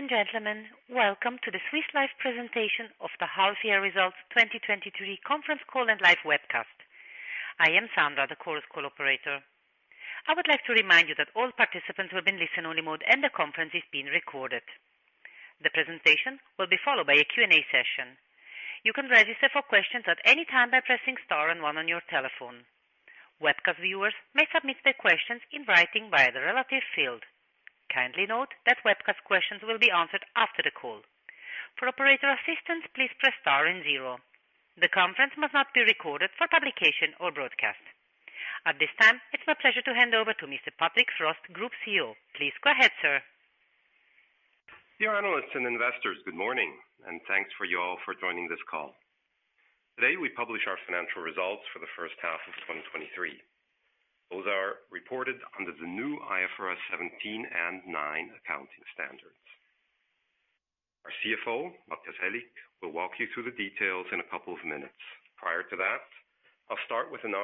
Ladies and gentlemen, welcome to the Swiss Life presentation of the half-year results 2023 conference call and live webcast. I am Sandra, the Chorus Call operator. I would like to remind you that all participants will be in listen-only mode, and the conference is being recorded. The presentation will be followed by a Q&A session. You can register for questions at any time by pressing star and one on your telephone. Webcast viewers may submit their questions in writing via the relevant field. Kindly note that webcast questions will be answered after the call. For operator assistance, please press star and zero. The conference must not be recorded for publication or broadcast. At this time, it's my pleasure to hand over to Mr. Patrick Frost, Group CEO. Please go ahead, sir. Dear analysts and investors, good morning, and thanks to you all for joining this call. Today, we publish our financial results for the first half of 2023. Those are reported under the new IFRS 17 and 9 accounting standards. Our CFO, Matthias Aellig, will walk you through the details in a couple of minutes. Prior to that, I'll start with an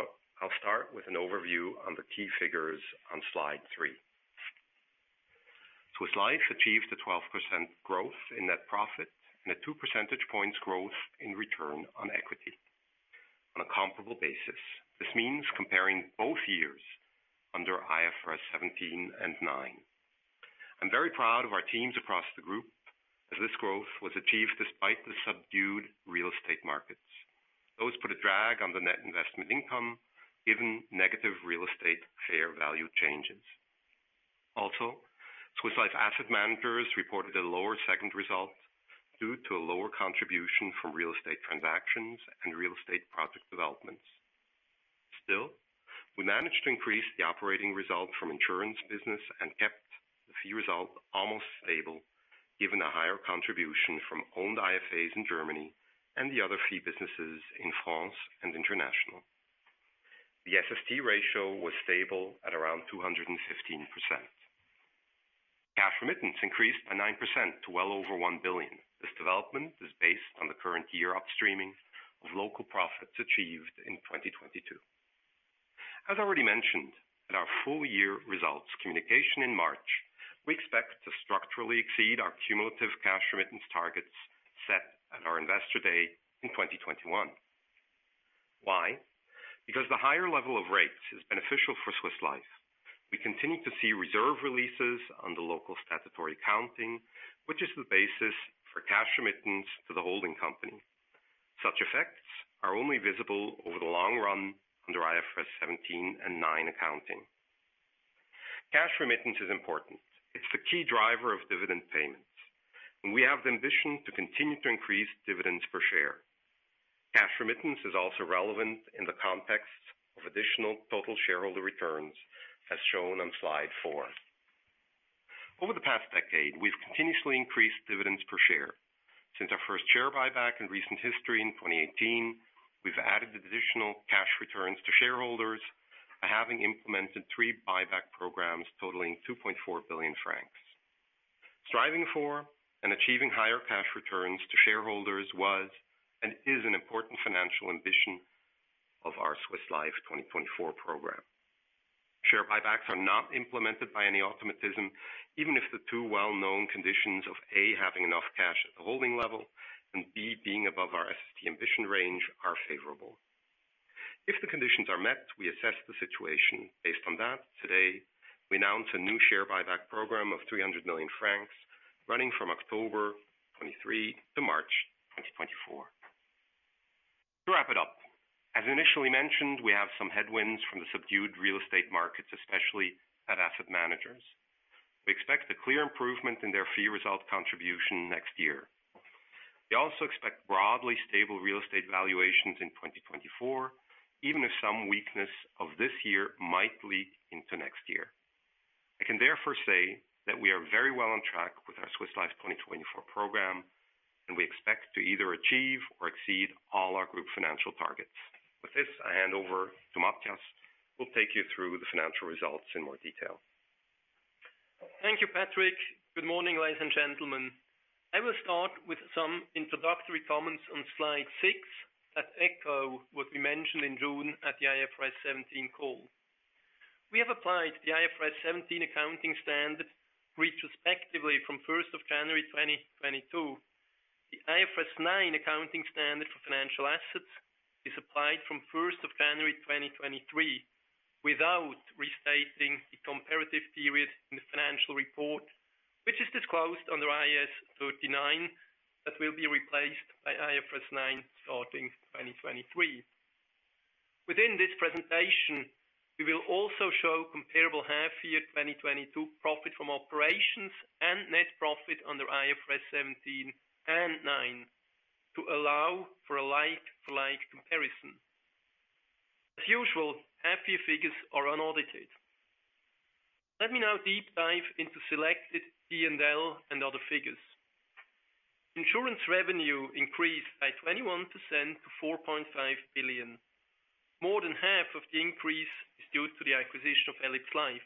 overview on the key figures on slide 3. Swiss Life achieved a 12% growth in net profit and a 2 percentage points growth in return on equity. On a comparable basis, this means comparing both years under IFRS 17 and 9. I'm very proud of our teams across the group, as this growth was achieved despite the subdued real estate markets. Those put a drag on the net investment income, given negative real estate fair value changes. Also, Swiss Life Asset Managers reported a lower segment result due to a lower contribution from real estate transactions and real estate project developments. Still, we managed to increase the operating result from insurance business and kept the fee result almost stable, given the higher contribution from owned IFAs in Germany and the other fee businesses in France and international. The SST ratio was stable at around 215%. Cash remittance increased by 9% to well over 1 billion. This development is based on the current year upstreaming of local profits achieved in 2022. As already mentioned, in our full year results communication in March, we expect to structurally exceed our cumulative cash remittance targets set at our Investor Day in 2021. Why? Because the higher level of rates is beneficial for Swiss Life. We continue to see reserve releases on the local statutory accounting, which is the basis for cash remittance to the holding company. Such effects are only visible over the long run under IFRS 17 and IFRS 9 accounting. Cash remittance is important. It's the key driver of dividend payments, and we have the ambition to continue to increase dividends per share. Cash remittance is also relevant in the context of additional total shareholder returns, as shown on Slide 4. Over the past decade, we've continuously increased dividends per share. Since our first share buyback in recent history in 2018, we've added additional cash returns to shareholders, by having implemented three buyback programs totaling 2.4 billion francs. Striving for and achieving higher cash returns to shareholders was and is an important financial ambition of our Swiss Life 2024 program. Share buybacks are not implemented by any automatism, even if the two well-known conditions of, A, having enough cash at the holding level, and B, being above our SST ambition range, are favorable. If the conditions are met, we assess the situation. Based on that, today, we announce a new share buyback program of 300 million francs running from October 2023 to March 2024. To wrap it up, as initially mentioned, we have some headwinds from the subdued real estate markets, especially at asset managers. We expect a clear improvement in their fee result contribution next year. We also expect broadly stable real estate valuations in 2024, even if some weakness of this year might leak into next year. I can therefore say that we are very well on track with our Swiss Life 2024 program, and we expect to either achieve or exceed all our group financial targets. With this, I hand over to Matthias, who will take you through the financial results in more detail. Thank you, Patrick. Good morning, ladies and gentlemen. I will start with some introductory comments on Slide 6, that echo what we mentioned in June at the IFRS 17 call. We have applied the IFRS 17 accounting standard retrospectively from 1st of January, 2022. The IFRS 9 accounting standard for financial assets is applied from1st of January, 2023, without restating the comparative periods in the financial report, which is disclosed under IAS 39, that will be replaced by IFRS 9, starting 2023. Within this presentation, we will also show comparable half-year 2022 profit from operations and net profit under IFRS 17 and IFRS 9, to allow for a like-for-like comparison. As usual, half-year figures are unaudited. Let me now deep dive into selected P&L and other figures. Insurance revenue increased by 21% to 4.5 billion. More than half of the increase is due to the acquisition of elipsLife.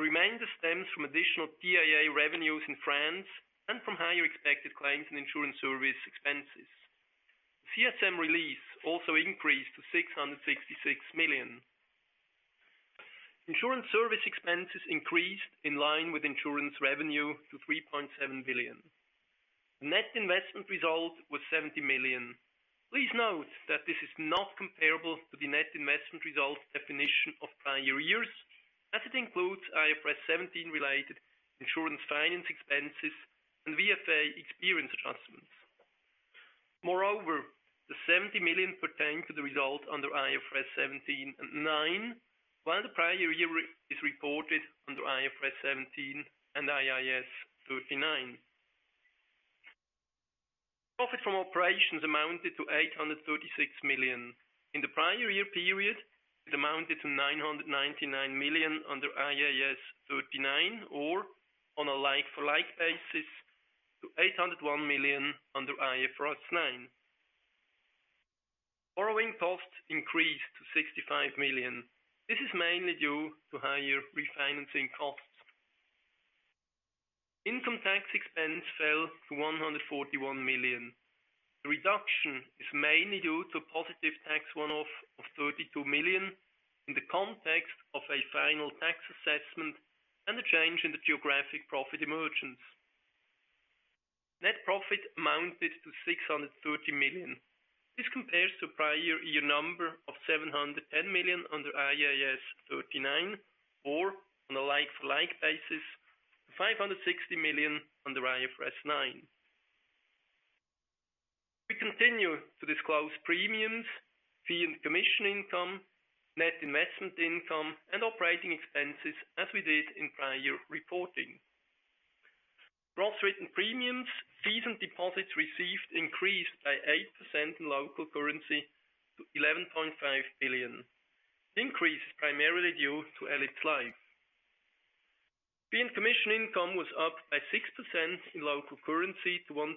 The remainder stems from additional PAA revenues in France and from higher expected claims and insurance service expenses. CSM release also increased to 666 million. Insurance service expenses increased in line with insurance revenue to 3.7 billion. Net investment result was 70 million. Please note that this is not comparable to the net investment result definition of prior years, as it includes IFRS 17-related insurance finance expenses and VFA experience adjustments. Moreover, the 70 million pertain to the result under IFRS 17 and IFRS 9, while the prior year is reported under IFRS 17 and IAS 39. Profit from operations amounted to 836 million. In the prior year period, it amounted to 999 million under IAS 39, or on a like-for-like basis, to 801 million under IFRS 9. Borrowing costs increased to 65 million. This is mainly due to higher refinancing costs. Income tax expense fell to 141 million. The reduction is mainly due to a positive tax one-off of 32 million in the context of a final tax assessment and a change in the geographic profit emergence. Net profit amounted to 630 million. This compares to the prior year number of 700 million under IAS 39, or on a like-for-like basis, 560 million under IFRS 9. We continue to disclose premiums, fee and commission income, net investment income, and operating expenses, as we did in prior reporting. Gross written premiums, fees, and deposits received increased by 8% in local currency to 11.5 billion. The increase is primarily due to elipsLife. Fee and commission income was up by 6% in local currency to 1.2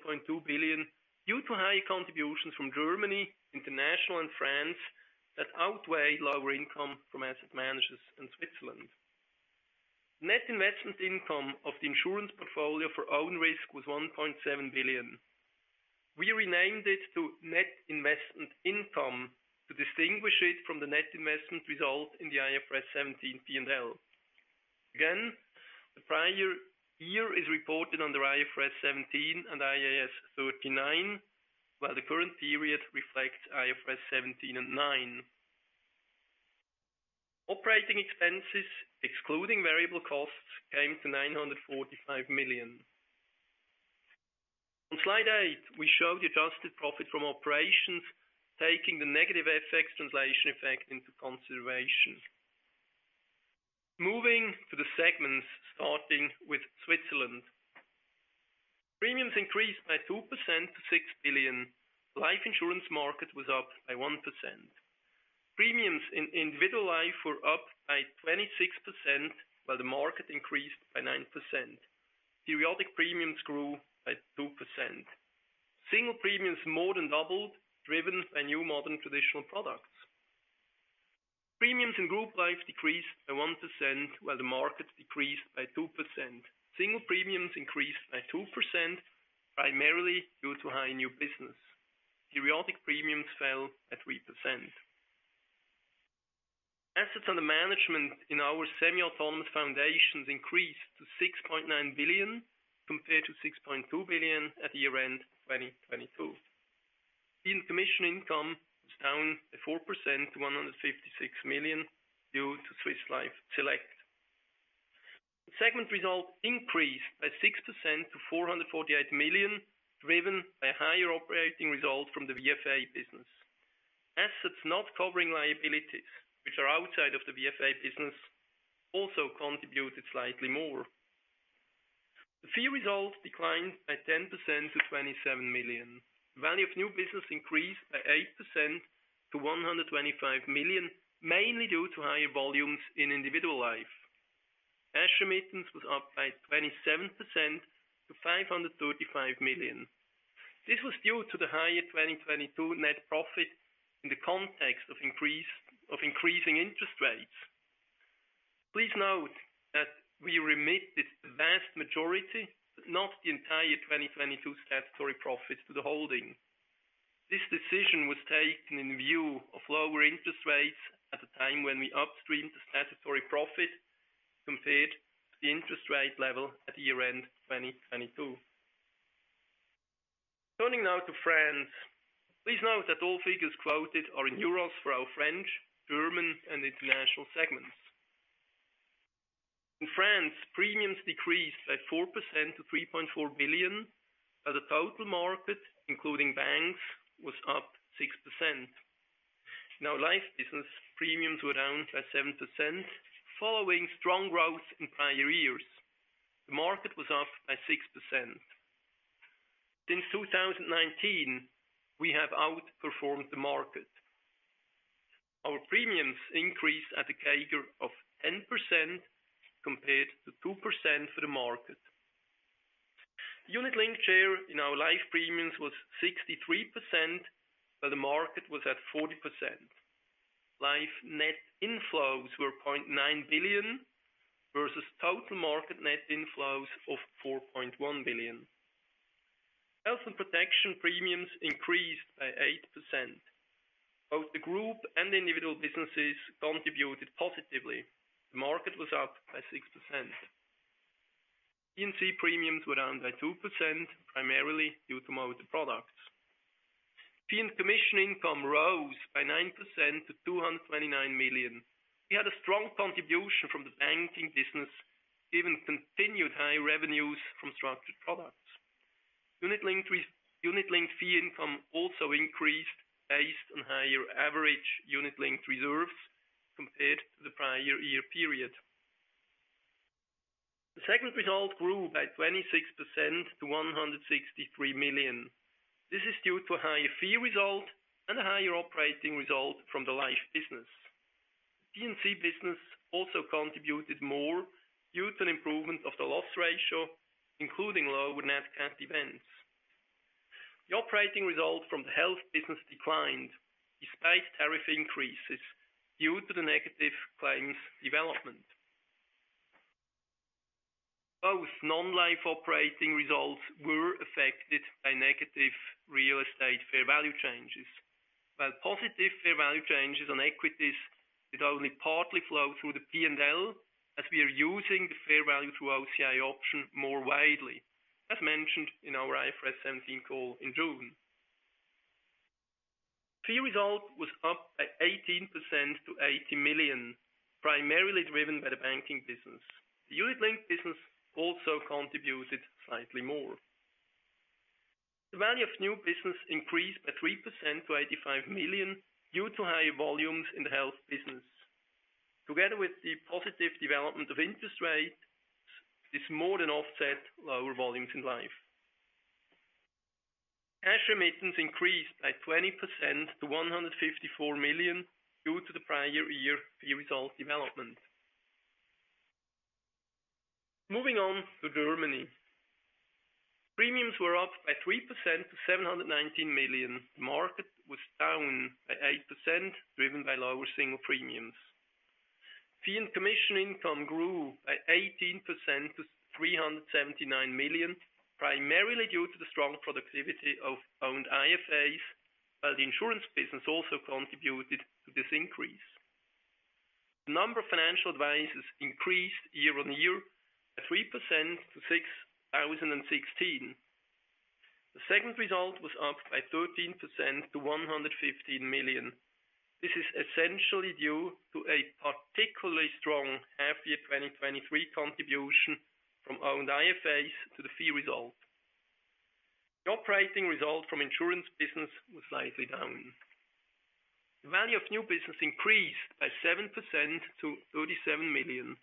billion, due to high contributions from Germany, International, and France, that outweighed lower income from asset managers in Switzerland. Net investment income of the insurance portfolio for own risk was 1.7 billion. We renamed it to net investment income to distinguish it from the net investment result in the IFRS 17 P&L. Again, the prior year is reported under IFRS 17 and IAS 39, while the current period reflects IFRS 17 and IFRS 9. Operating expenses, excluding variable costs, came to 945 million. On Slide 8, we show the adjusted profit from operations, taking the negative FX translation effect into consideration. Moving to the segments, starting with Switzerland. Premiums increased by 2% to 6 billion. Life insurance market was up by 1%. Premiums in individual life were up by 26%, while the market increased by 9%. Periodic premiums grew by 2%. Single premiums more than doubled, driven by new modern traditional products. Premiums in group life decreased by 1%, while the market decreased by 2%. Single premiums increased by 2%, primarily due to high new business. Periodic premiums fell at 3%. Assets under management in our semi-autonomous foundations increased to 6.9 billion, compared to 6.2 billion at year-end 2022. Fee and commission income was down by 4% to 156 million due to Swiss Life Select. Segment result increased by 6% to 448 million, driven by higher operating results from the VFA business. Assets not covering liabilities, which are outside of the VFA business, also contributed slightly more. The fee result declined by 10% to 27 million. Value of new business increased by 8% to 125 million, mainly due to higher volumes in individual life. Cash remittance was up by 27% to 535 million. This was due to the higher 2022 net profit in the context of increase, of increasing interest rates. Please note that we remitted the vast majority, but not the entire 2022 statutory profit to the holding. This decision was taken in view of lower interest rates at a time when we upstreamed the statutory profit compared to the interest rate level at year-end 2022. Turning now to France. Please note that all figures quoted are in euros for our French, German, and International segments. In France, premiums decreased by 4% to 3.4 billion, while the total market, including banks, was up 6%. Now, life business premiums were down by 7%, following strong growth in prior years. The market was up by 6%. Since 2019, we have outperformed the market. Our premiums increased at a CAGR of 10% compared to 2% for the market. Unit-linked share in our life premiums was 63%, while the market was at 40%. Life net inflows were 0.9 billion versus total market net inflows of 4.1 billion. Health and protection premiums increased by 8%. Both the group and the individual businesses contributed positively. The market was up by 6%. P&C premiums were down by 2%, primarily due to motor products. Fee and commission income rose by 9% to 229 million. We had a strong contribution from the banking business, given continued high revenues from structured products. Unit-linked fee income also increased based on higher average unit-linked reserves compared to the prior year period. The segment result grew by 26% to 163 million. This is due to a higher fee result and a higher operating result from the life business. P&C business also contributed more due to an improvement of the loss ratio, including lower net cat events. The operating results from the health business declined despite tariff increases, due to the negative claims development. Both non-life operating results were affected by negative real estate fair value changes, while positive fair value changes on equities would only partly flow through the P&L, as we are using the fair value through OCI option more widely, as mentioned in our IFRS 17 call in June. Fee result was up by 18% to 80 million, primarily driven by the banking business. The unit-linked business also contributed slightly more. The value of new business increased by 3% to 85 million due to higher volumes in the health business. Together with the positive development of interest rates, this more than offset lower volumes in life. Cash remittance increased by 20% to 154 million, due to the prior year fee result development. Moving on to Germany. Premiums were up by 3% to 719 million. The market was down by 8%, driven by lower single premiums. Fee and commission income grew by 18% to 379 million, primarily due to the strong productivity of owned IFAs, while the insurance business also contributed to this increase. The number of financial advisors increased year-on-year by 3% to 6,016. The segment result was up by 13% to 115 million. This is essentially due to a particularly strong half year 2023 contribution from owned IFAs to the fee result. The operating result from insurance business was slightly down. The value of new business increased by 7% to 37 million.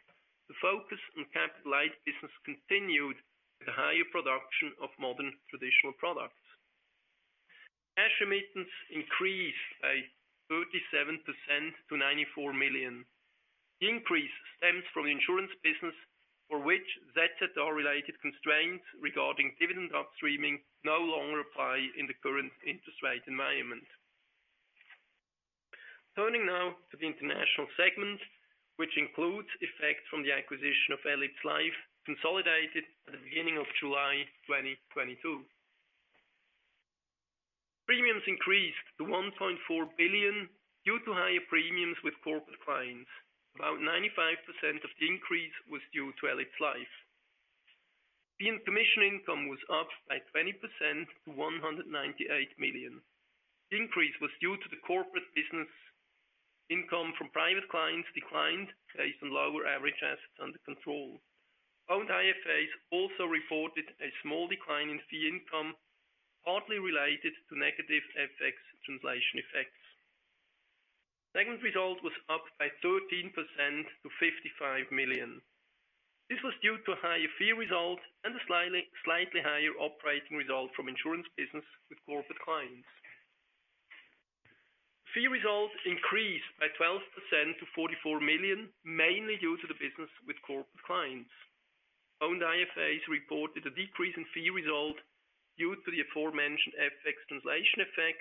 The focus on capital light business continued with a higher production of modern traditional products. Cash remittance increased by 37% to 94 million. The increase stems from the insurance business, for which ZRR-related constraints regarding dividend upstreaming no longer apply in the current interest rate environment. Turning now to the international segment, which includes effects from the acquisition of elipsLife, consolidated at the beginning of July 2022. Premiums increased to 1.4 billion due to higher premiums with corporate clients. About 95% of the increase was due to elipsLife. Fee and commission income was up by 20% to 198 million. The increase was due to the corporate business. Income from private clients declined based on lower average assets under control. Owned IFAs also reported a small decline in fee income, partly related to negative FX translation effects. Segment result was up by 13% to 55 million. This was due to a higher fee result and a slightly higher operating result from insurance business with corporate clients. Fee results increased by 12% to 44 million, mainly due to the business with corporate clients. Owned IFAs reported a decrease in fee result due to the aforementioned FX translation effect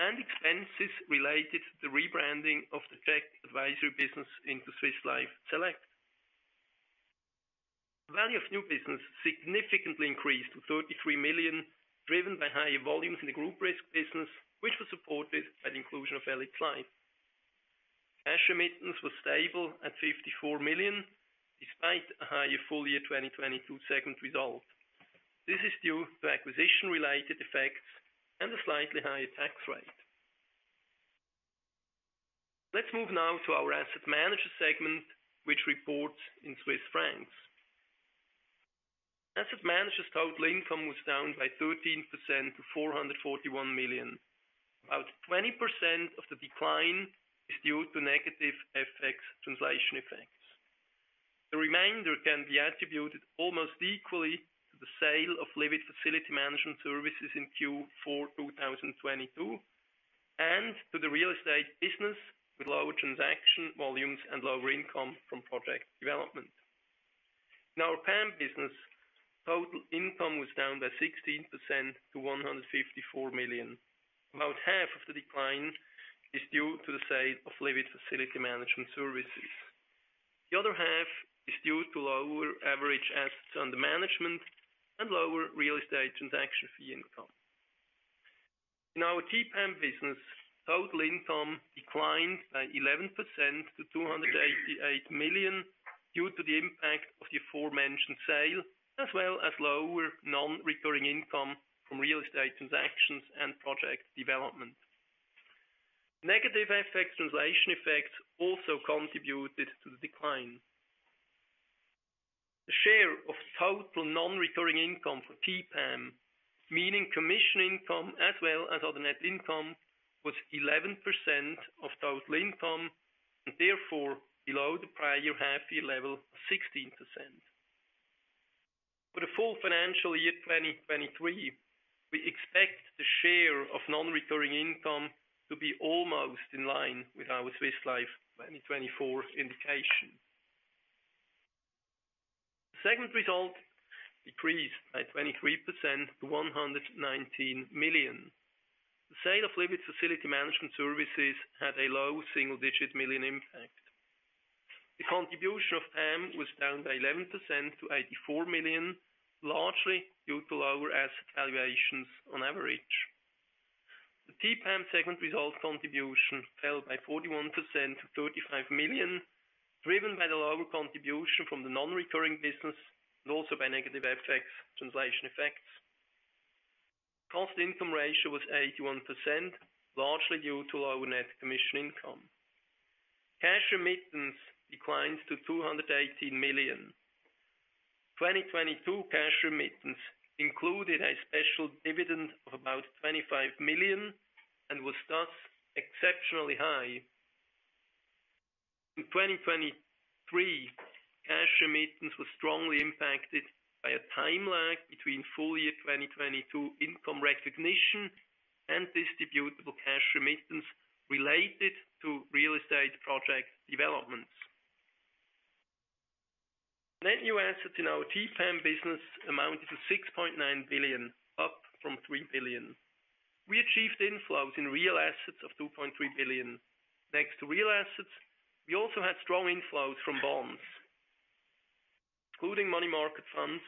and expenses related to the rebranding of the tecis advisory business into Swiss Life Select. The value of new business significantly increased to 33 million, driven by higher volumes in the group risk business, which was supported by the inclusion of elipsLife. Cash remittance was stable at 54 million, despite a higher full year 2022 segment result. This is due to acquisition-related effects and a slightly higher tax rate. Let's move now to our asset manager segment, which reports in Swiss francs. Asset Managers' total income was down by 13% to 441 million. About 20% of the decline is due to negative FX translation effects. The remainder can be attributed almost equally to the sale of Livit facility management services in Q4 2022, and to the real estate business, with lower transaction volumes and lower income from project development. In our PAM business, total income was down by 16% to 154 million. About half of the decline is due to the sale of Livit facility management services. The other half is due to lower average assets under management and lower real estate transaction fee income. In our TPAM business, total income declined by 11% to 288 million, due to the impact of the aforementioned sale, as well as lower non-recurring income from real estate transactions and project development. Negative FX translation effects also contributed to the decline. The share of total non-recurring income for TPAM, meaning commission income as well as other net income, was 11% of total income, and therefore below the prior year half year level of 16%. For the full financial year, 2023, we expect the share of non-recurring income to be almost in line with our Swiss Life 2024 indication. Segment result decreased by 23% to 119 million. The sale of Livit's facility management services had a low single-digit million CHF impact. The contribution of PAM was down by 11% to 84 million, largely due to lower asset valuations on average. The TPAM segment result contribution fell by 41% to 35 million, driven by the lower contribution from the non-recurring business and also by negative FX translation effects. Cost-income ratio was 81%, largely due to lower net commission income. Cash remittance declined to 218 million. 2022 cash remittance included a special dividend of about 25 million and was thus exceptionally high. In 2023, cash remittance was strongly impacted by a time lag between full year 2022 income recognition and distributable cash remittance related to real estate project developments. Net new assets in our TPAM business amounted to 6.9 billion, up from 3 billion. We achieved inflows in real assets of 2.3 billion. Next to real assets, we also had strong inflows from bonds. Including money market funds,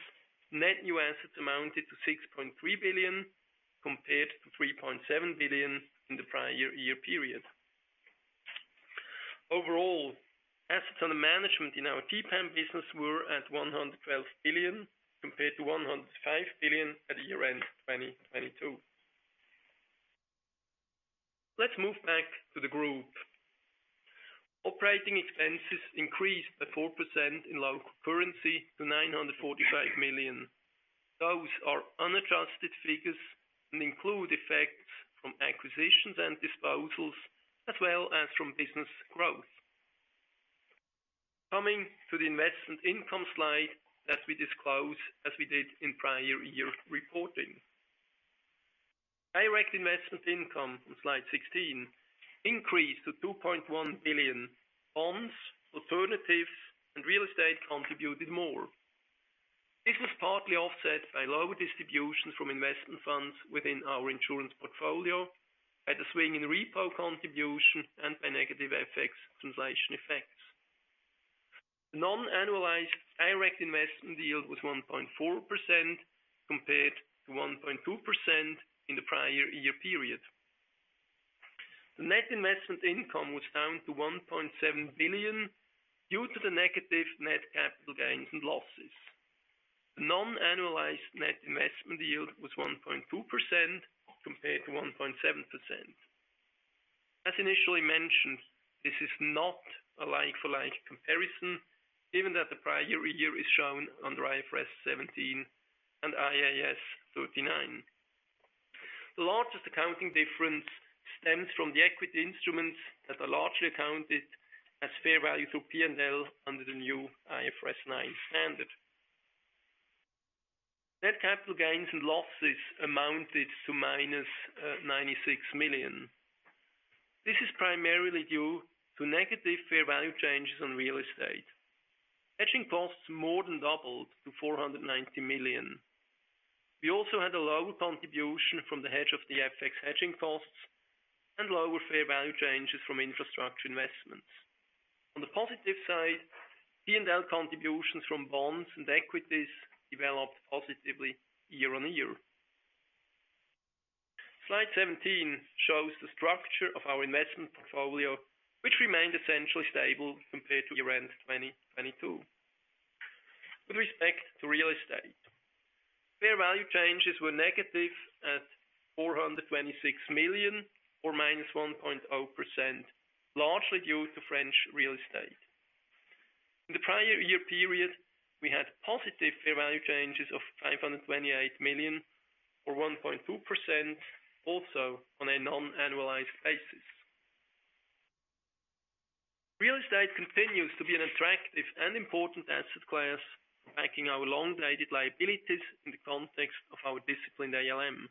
net new assets amounted to 6.3 billion, compared to 3.7 billion in the prior year period. Overall, assets under management in our TPAM business were at 112 billion, compared to 105 billion at year-end 2022. Let's move back to the group. Operating expenses increased by 4% in local currency to 945 million. Those are unadjusted figures and include effects from acquisitions and disposals, as well as from business growth. Coming to the investment income slide that we disclose, as we did in prior year reporting. Direct investment income on slide 16 increased to 2.1 billion. Bonds, alternatives, and real estate contributed more. This was partly offset by lower distributions from investment funds within our insurance portfolio, by the swing in repo contribution, and by negative FX translation effects. The non-annualized direct investment yield was 1.4%, compared to 1.2% in the prior year period. The net investment income was down to 1.7 billion due to the negative net capital gains and losses. The non-annualized net investment yield was 1.2% compared to 1.7%. As initially mentioned, this is not a like-for-like comparison, given that the prior year is shown under IFRS 17 and IAS 39. The largest accounting difference stems from the equity instruments that are largely accounted as fair value through P&L under the new IFRS 9 standard. Net capital gains and losses amounted to -96 million. This is primarily due to negative fair value changes on real estate. Hedging costs more than doubled to 490 million. We also had a lower contribution from the hedge of the FX hedging costs and lower fair value changes from infrastructure investments. On the positive side, P&L contributions from bonds and equities developed positively year-on-year. Slide 17 shows the structure of our investment portfolio, which remained essentially stable compared to year-end 2022. With respect to real estate, fair value changes were negative at 426 million, or -1.0%, largely due to French real estate. In the prior year period, we had positive fair value changes of 528 million, or 1.2%, also on a non-annualized basis. Real estate continues to be an attractive and important asset class, backing our long-dated liabilities in the context of our disciplined ALM.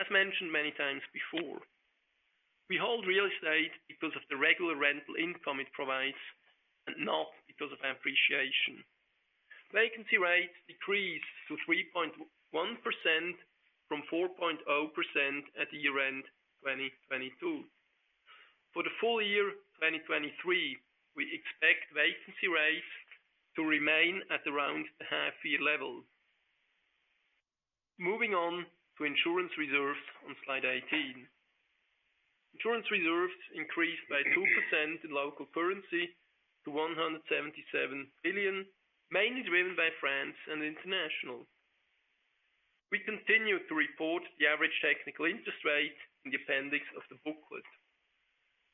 As mentioned many times before, we hold real estate because of the regular rental income it provides, and not because of appreciation. Vacancy rates decreased to 3.1% from 4.0% at the year-end 2022. For the full year 2023, we expect vacancy rates to remain at around the half year level. Moving on to insurance reserves on Slide 18. Insurance reserves increased by 2% in local currency to 177 billion, mainly driven by France and international. We continue to report the average technical interest rate in the appendix of the booklet.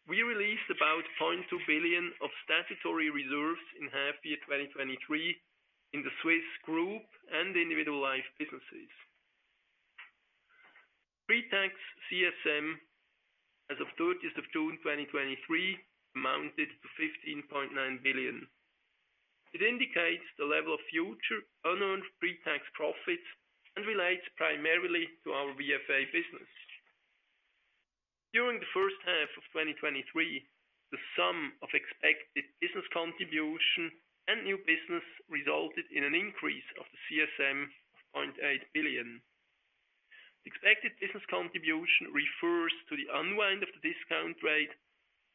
We released about 0.2 billion of statutory reserves in half year 2023, in the Swiss group and individual life businesses. Pre-tax CSM, as of 30th of June, 2023, amounted to 15.9 billion. It indicates the level of future unknown pre-tax profits and relates primarily to our VFA business. During the first half of 2023, the sum of expected business contribution and new business resulted in an increase of the CSM of 0.8 billion. Expected business contribution refers to the unwind of the discount rate,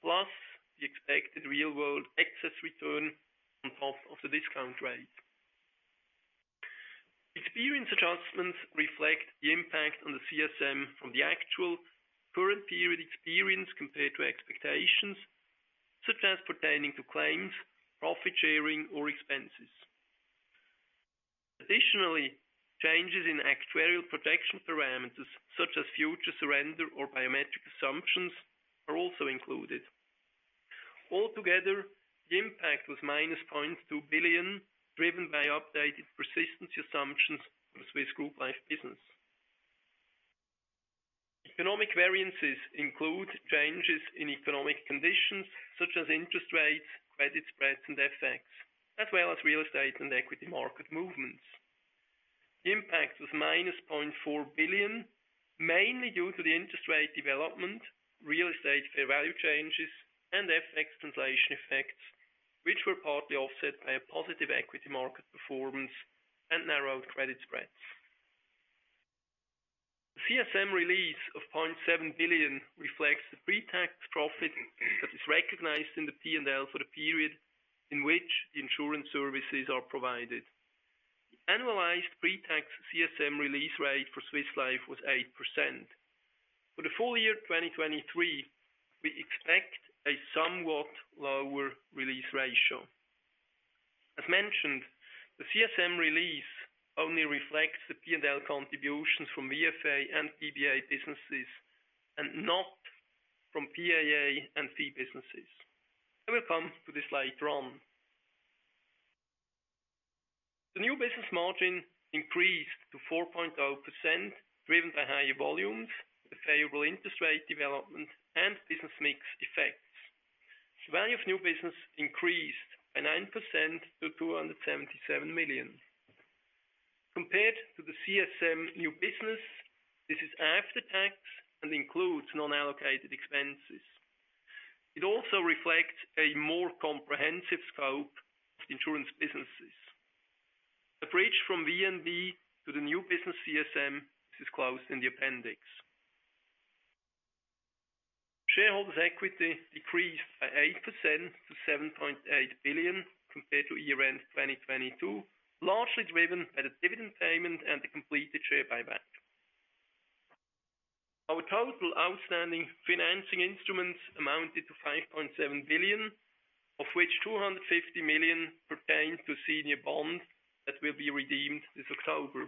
plus the expected real-world excess return on top of the discount rate. Experience adjustments reflect the impact on the CSM from the actual current period experience compared to expectations, such as pertaining to claims, profit sharing, or expenses. Additionally, changes in actuarial protection parameters, such as future surrender or biometric assumptions, are also included. Altogether, the impact was -0.2 billion, driven by updated persistency assumptions for Swiss group life business. Economic variances include changes in economic conditions, such as interest rates, credit spreads, and FX, as well as real estate and equity market movements. The impact was -0.4 billion, mainly due to the interest rate development, real estate fair value changes, and FX translation effects, which were partly offset by a positive equity market performance and narrowed credit spreads. The CSM release of 0.7 billion reflects the pre-tax profit that is recognized in the P&L for the period in which the insurance services are provided. The annualized pre-tax CSM release rate for Swiss Life was 8%. For the full year 2023, we expect a somewhat lower release ratio. As mentioned, the CSM release only reflects the P&L contributions from VFA and BBA businesses, and not from PAA and fee businesses. I will come to this later on. The new business margin increased to 4.0%, driven by higher volumes, the favorable interest rate development, and business mix effects. The value of new business increased by 9% to 277 million. Compared to the CSM new business, this is after tax and includes non-allocated expenses. It also reflects a more comprehensive scope of insurance businesses. The bridge from VNB to the new business CSM is disclosed in the appendix. Shareholders' equity decreased by 8% to 7.8 billion compared to year-end 2022, largely driven by the dividend payment and the completed share buyback. Our total outstanding financing instruments amounted to 5.7 billion, of which 250 million pertained to senior bonds that will be redeemed this October.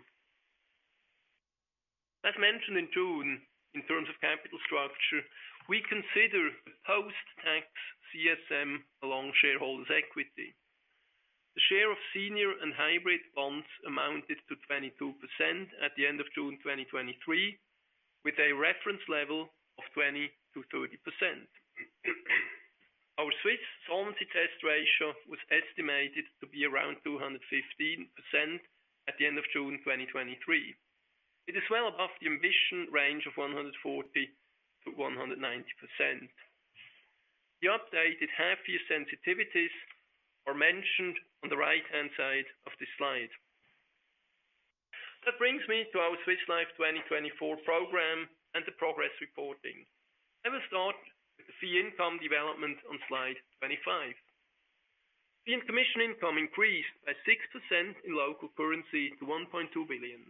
As mentioned in June, in terms of capital structure, we consider post-tax CSM along shareholders' equity. The share of senior and hybrid bonds amounted to 22% at the end of June 2023, with a reference level of 20%-30%. Our Swiss Solvency Test ratio was estimated to be around 215% at the end of June 2023. It is well above the ambition range of 140%-190%. The updated half-year sensitivities are mentioned on the right-hand side of this slide. That brings me to our Swiss Life 2024 program and the progress reporting. I will start with the fee income development on slide 25. Fee and commission income increased by 6% in local currency to 1.2 billion.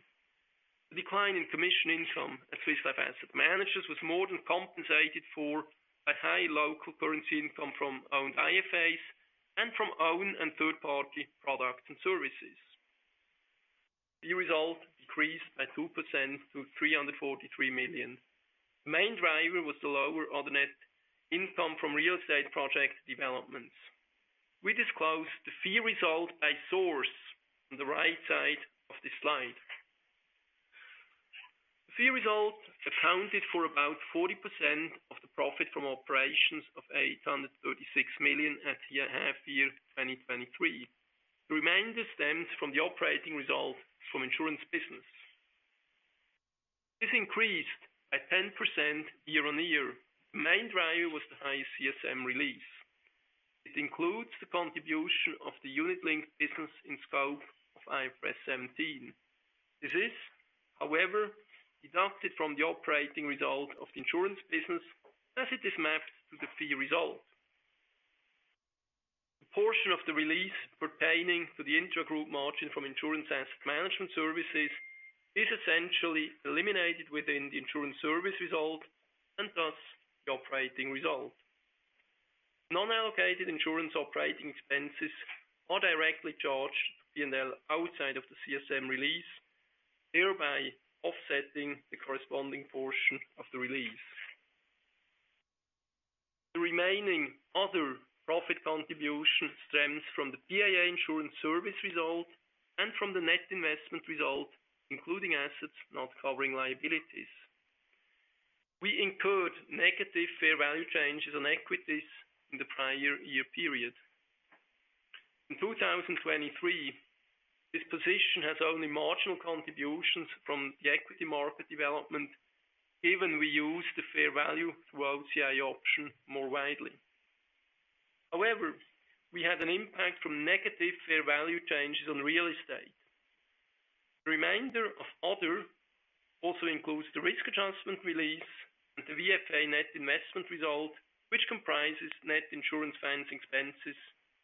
The decline in commission income at Swiss Life Asset Managers was more than compensated for by high local currency income from owned IFAs and from own and third-party products and services. The result decreased by 2% to 343 million. The main driver was the lower other net income from real estate project developments. We disclosed the fee result by source on the right side of this slide. The fee result accounted for about 40% of the profit from operations of 836 million at half year 2023. The remainder stems from the operating results from insurance business. This increased by 10% year-on-year. The main driver was the high CSM release. It includes the contribution of the unit-linked business in scope of IFRS 17. This is, however, deducted from the operating result of the insurance business as it is mapped to the fee result. The portion of the release pertaining to the intragroup margin from insurance asset management services is essentially eliminated within the insurance service result and thus, the operating result. Non-allocated insurance operating expenses are directly charged to P&L outside of the CSM release, thereby offsetting the corresponding portion of the release. The remaining other profit contribution stems from the PaA insurance service result and from the net investment result, including assets not covering liabilities. We incurred negative fair value changes on equities in the prior year period. In 2023, this position has only marginal contributions from the equity market development, even we use the fair value through OCI option more widely. However, we had an impact from negative fair value changes on real estate. The remainder of other also includes the risk adjustment release and the VFA net investment result, which comprises net insurance finance expenses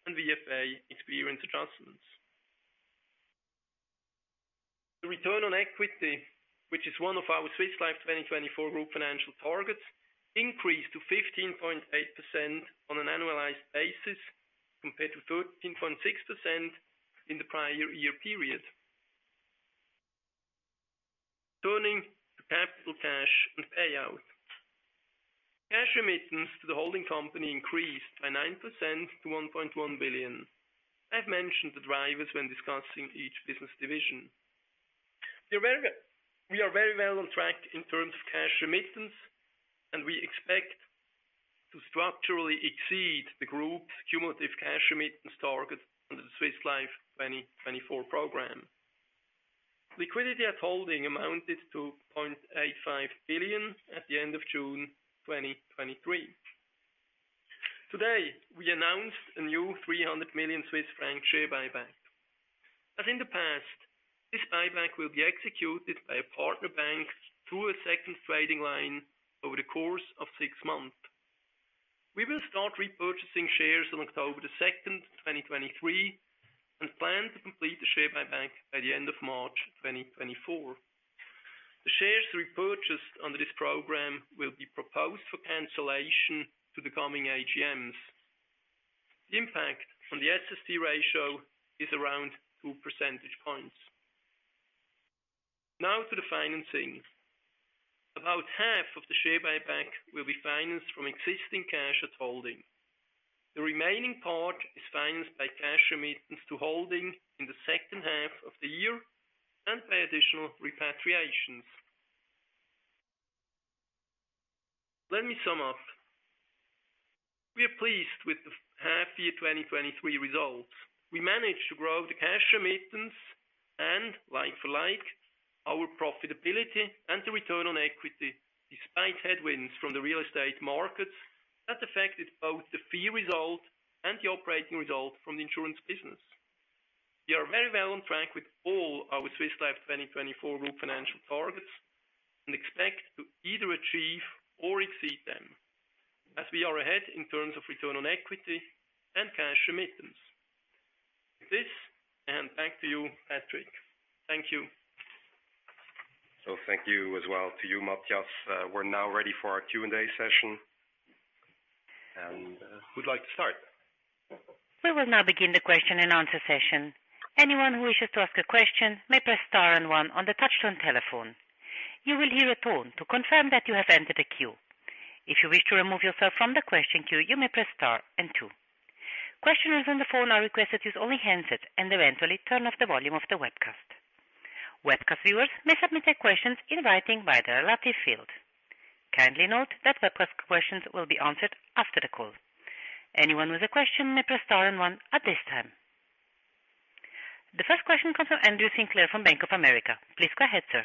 and VFA experience adjustments. The return on equity, which is one of our Swiss Life 2024 group financial targets, increased to 15.8% on an annualized basis, compared to 13.6% in the prior year period. Turning to capital cash and payout. Cash remittance to the holding company increased by 9% to 1.1 billion. I've mentioned the drivers when discussing each business division. We are very, we are very well on track in terms of cash remittance, and we expect to structurally exceed the group's cumulative cash remittance target under the Swiss Life 2024 program. Liquidity at holding amounted to 0.85 billion at the end of June 2023. Today, we announced a new 300 million Swiss franc share buyback. As in the past, this buyback will be executed by a partner bank through a second trading line over the course of 6 months. We will start repurchasing shares on October 2, 2023, and plan to complete the share buyback by the end of March 2024. The shares repurchased under this program will be proposed for cancellation to the coming AGMs. The impact on the SST ratio is around 2 percentage points. Now to the financing. About half of the share buyback will be financed from existing cash at holding. The remaining part is financed by cash remittance to holding in the second half of the year and by additional repatriations. Let me sum up. We are pleased with the half year 2023 results. We managed to grow the cash remittance and like for like, our profitability and the return on equity, despite headwinds from the real estate markets, that affected both the fee result and the operating result from the insurance business. We are very well on track with all our Swiss Life 2024 group financial targets and expect to either achieve or exceed them, as we are ahead in terms of return on equity and cash remittance. With this, hand back to you, Patrick. Thank you. Thank you as well to you, Matthias. We're now ready for our Q&A session. Who'd like to start? We will now begin the question and answer session. Anyone who wishes to ask a question may press star and one on the touchtone telephone. You will hear a tone to confirm that you have entered the queue. If you wish to remove yourself from the question queue, you may press star and two. Questioners on the phone are requested to use only the handset and eventually turn off the volume of the webcast. Webcast viewers may submit their questions in writing via the relevant field. Kindly note that webcast questions will be answered after the call. Anyone with a question may press star and one at this time. The first question comes from Andrew Sinclair, from Bank of America. Please go ahead, sir.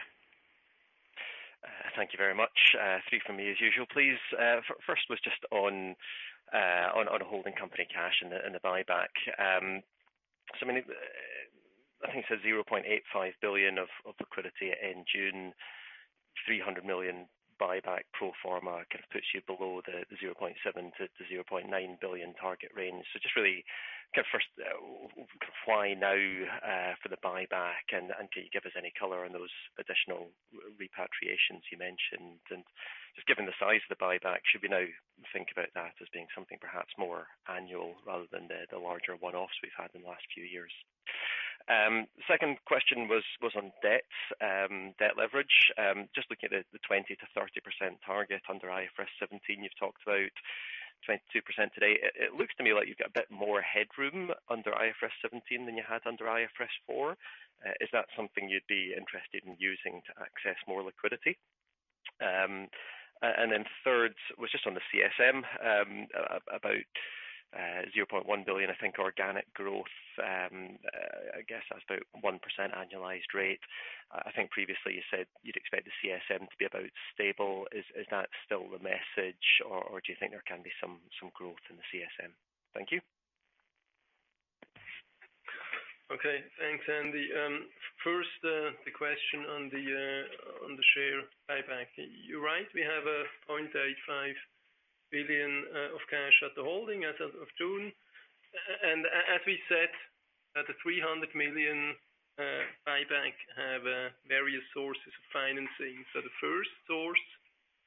Thank you very much. I think from me as usual, please. First was just on a holding company, cash and the buyback. So I mean, I think it's 0.85 billion of liquidity in June, 300 million buyback pro forma kind of puts you below the 0.7-0.9 billion target range. So just really, kind of first, why now for the buyback? And can you give us any color on those additional repatriations you mentioned? And just given the size of the buyback, should we now think about that as being something perhaps more annual rather than the larger one-offs we've had in the last few years? Second question was on debt, debt leverage. Just looking at the 20%-30% target under IFRS 17, you've talked about 22% today. It looks to me like you've got a bit more headroom under IFRS 17 than you had under IFRS 4. Is that something you'd be interested in using to access more liquidity? And then third was just on the CSM, about 0.1 billion, I think, organic growth. I guess that's about 1% annualized rate. I think previously you said you'd expect the CSM to be about stable. Is that still the message, or do you think there can be some growth in the CSM? Thank you. Okay, thanks, Andy. First, the question on the share buyback. You're right, we have 0.85 billion of cash at the holding as of June. And as we said, the 300 million buyback have various sources of financing. So the first source,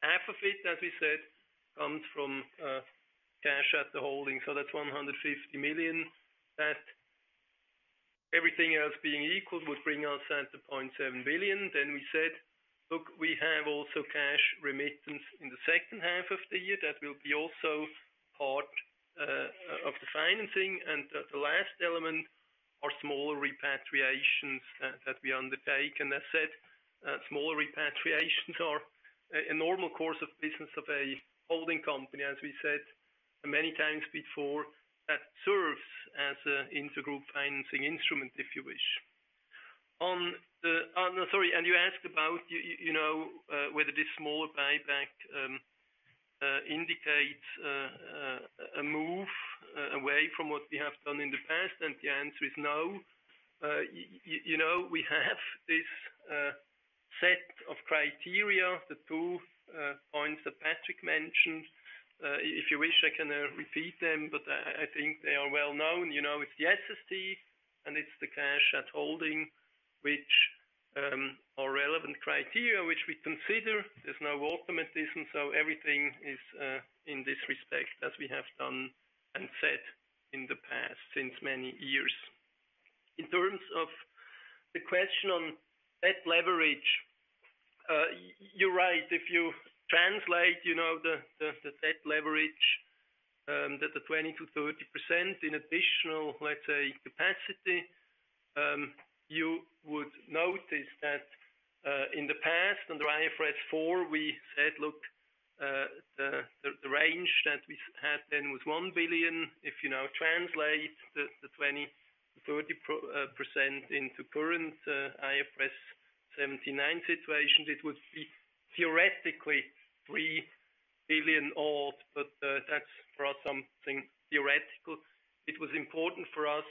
half of it, as we said, comes from cash at the holding, so that's 150 million. That everything else being equal, would bring us to 0.7 billion. Then we said: Look, we have also cash remittance in the second half of the year. That will be also part of the financing, and the last element are smaller repatriations that we undertake. As said, smaller repatriations are a normal course of business of a holding company, as we said many times before, that serves as an inter-group financing instrument, if you wish. No, sorry, and you asked about, you know, whether this small buyback indicates a move away from what we have done in the past, and the answer is no. You know, we have this set of criteria, the two points that Patrick mentioned. If you wish, I can repeat them, but I think they are well known. You know, it's the SST, and it's the cash at holding, which are relevant criteria, which we consider. There's no automatism, so everything is, in this respect, as we have done and said in the past, since many years. In terms of the question on debt leverage, you're right. If you translate, you know, the debt leverage that the 20%-30% in additional, let's say, capacity, you would notice that in the past, under IFRS 4, we said, look, the range that we had then was 1 billion. If you now translate the 20%-30% into current IFRS 17 situation, it would be theoretically 3 billion odd, but that's for something theoretical. It was important for us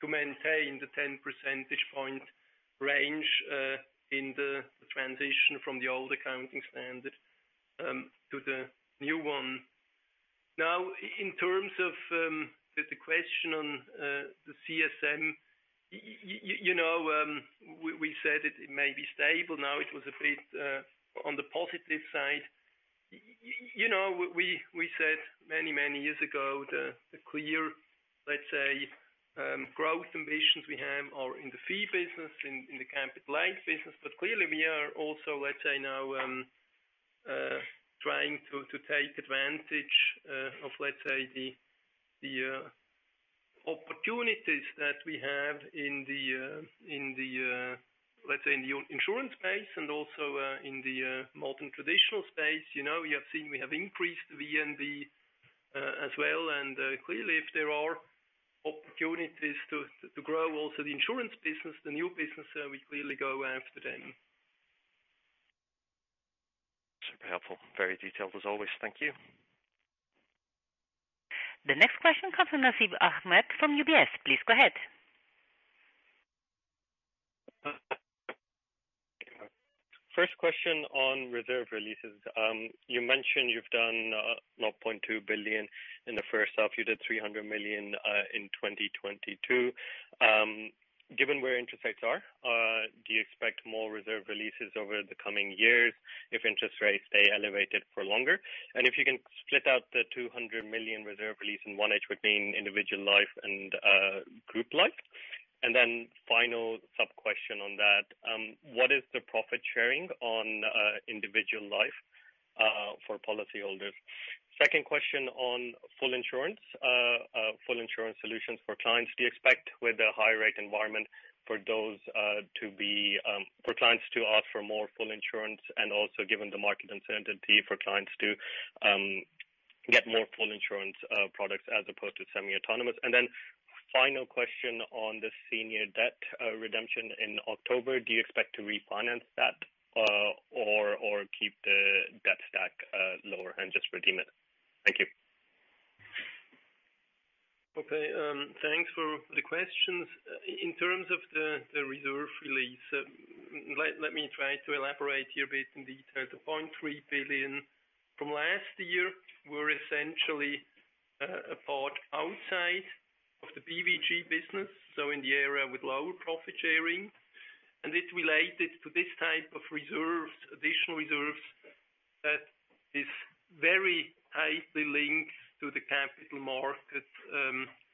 to maintain the 10 percentage point range in the transition from the old accounting standard to the new one. Now, in terms of the question on the CSM, you know, we said it may be stable. Now, it was a bit on the positive side. You know, we said many, many years ago, the clear, let's say, growth ambitions we have are in the fee business, in the capital life business. But clearly, we are also, let's say now, trying to take advantage of let's say, the opportunities that we have in the insurance space and also in the modern traditional space. You know, you have seen we have increased VNB as well. And clearly, if there are opportunities to grow also the insurance business, the new business, we clearly go after them. Super helpful. Very detailed as always. Thank you. The next question comes from Nasib Ahmed from UBS. Please go ahead. First question on reserve releases. You mentioned you've done 0.2 billion in the first half. You did 300 million in 2022. Given where interest rates are, do you expect more reserve releases over the coming years if interest rates stay elevated for longer? And if you can split out the 200 million reserve release in 2021, between individual life and group life. And then final sub-question on that, what is the profit sharing on individual life for policyholders? Second question on full insurance. Full insurance solutions for clients. Do you expect with the high rate environment for those to be for clients to ask for more full insurance? And also given the market uncertainty for clients to get more full insurance products as opposed to semi-autonomous. Final question on the senior debt redemption in October. Do you expect to refinance that, or keep the debt stack lower and just redeem it? Thank you. Okay, thanks for the questions. In terms of the reserve release, let me try to elaborate here a bit in detail. The 0.3 billion from last year were essentially a part outside of the BVG business, so in the area with lower profit sharing. And it related to this type of reserves, additional reserves, that is very highly linked to the capital market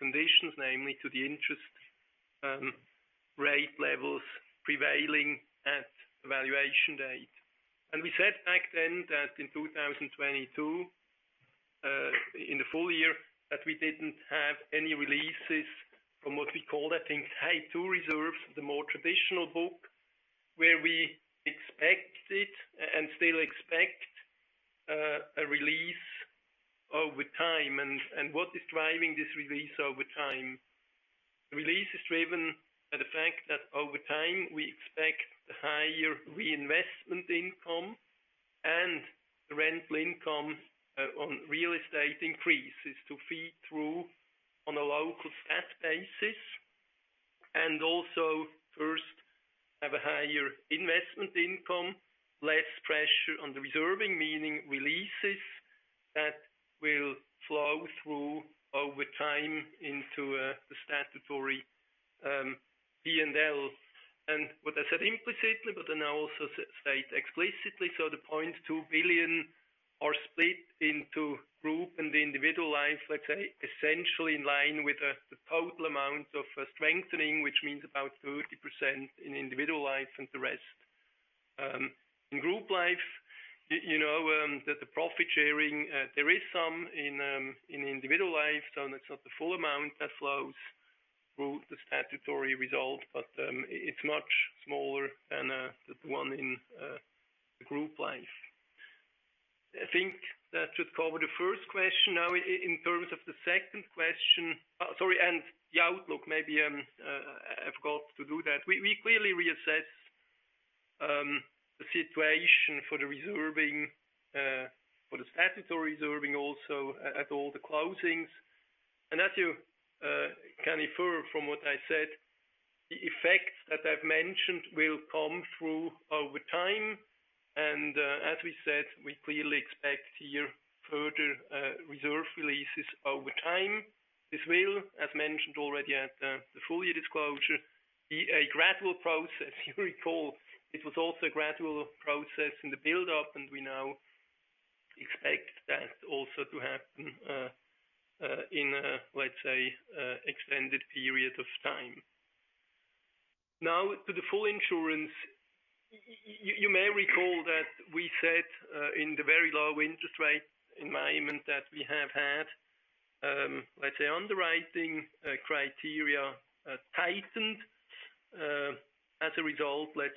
conditions, namely to the interest rate levels prevailing at the valuation date. And we said back then that in 2022 in the full year, that we didn't have any releases from what we call, I think, high technical reserves, the more traditional book, where we expect it and still expect a release over time. And what is driving this release over time? The release is driven by the fact that over time, we expect the higher reinvestment income and the rental income on real estate increases to feed through on a local statutory basis, and also first have a higher investment income, less pressure on the reserving, meaning releases that will flow through over time into the statutory P&L. And what I said implicitly, but then I also state explicitly, so the 0.2 billion are split into group and the individual life, let's say, essentially in line with the total amount of strengthening, which means about 30% in individual life and the rest. In group life, you know, that the profit sharing, there is some in individual life, so that's not the full amount that flows through the statutory result, but it's much smaller than the one in the group life. I think that should cover the first question. Now, in terms of the second question. Sorry, and the outlook, maybe I forgot to do that. We clearly reassess the situation for the reserving for the statutory reserving, also, at all the closings. And as you can infer from what I said, the effects that I've mentioned will come through over time. And as we said, we clearly expect here further reserve releases over time. This will, as mentioned already at the full year disclosure, be a gradual process. You recall, it was also a gradual process in the build-up, and we now expect that also to happen in an extended period of time. Now, to the full insurance, you may recall that we said in the very low interest rate environment that we have had, let's say underwriting criteria tightened as a result of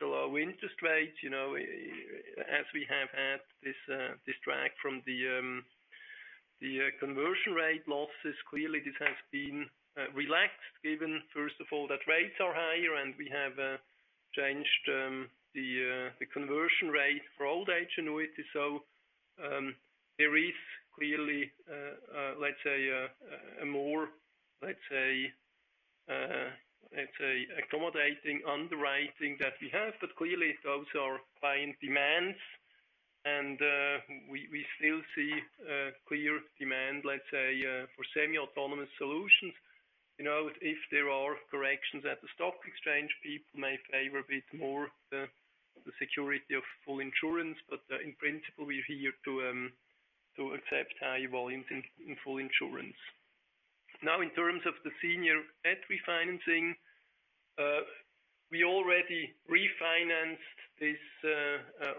the low interest rates, you know, as we have had this drag from the conversion rate losses. Clearly, this has been relaxed, given, first of all, that rates are higher and we have changed the conversion rate for old age annuity. So, there is clearly a more accommodating underwriting that we have, but clearly, those are client demands, and we still see clear demand, let's say, for semi-autonomous solutions. You know, if there are corrections at the stock exchange, people may favor a bit more the security of full insurance, but in principle, we're here to accept high volumes in full insurance. Now, in terms of the senior debt refinancing, we already refinanced this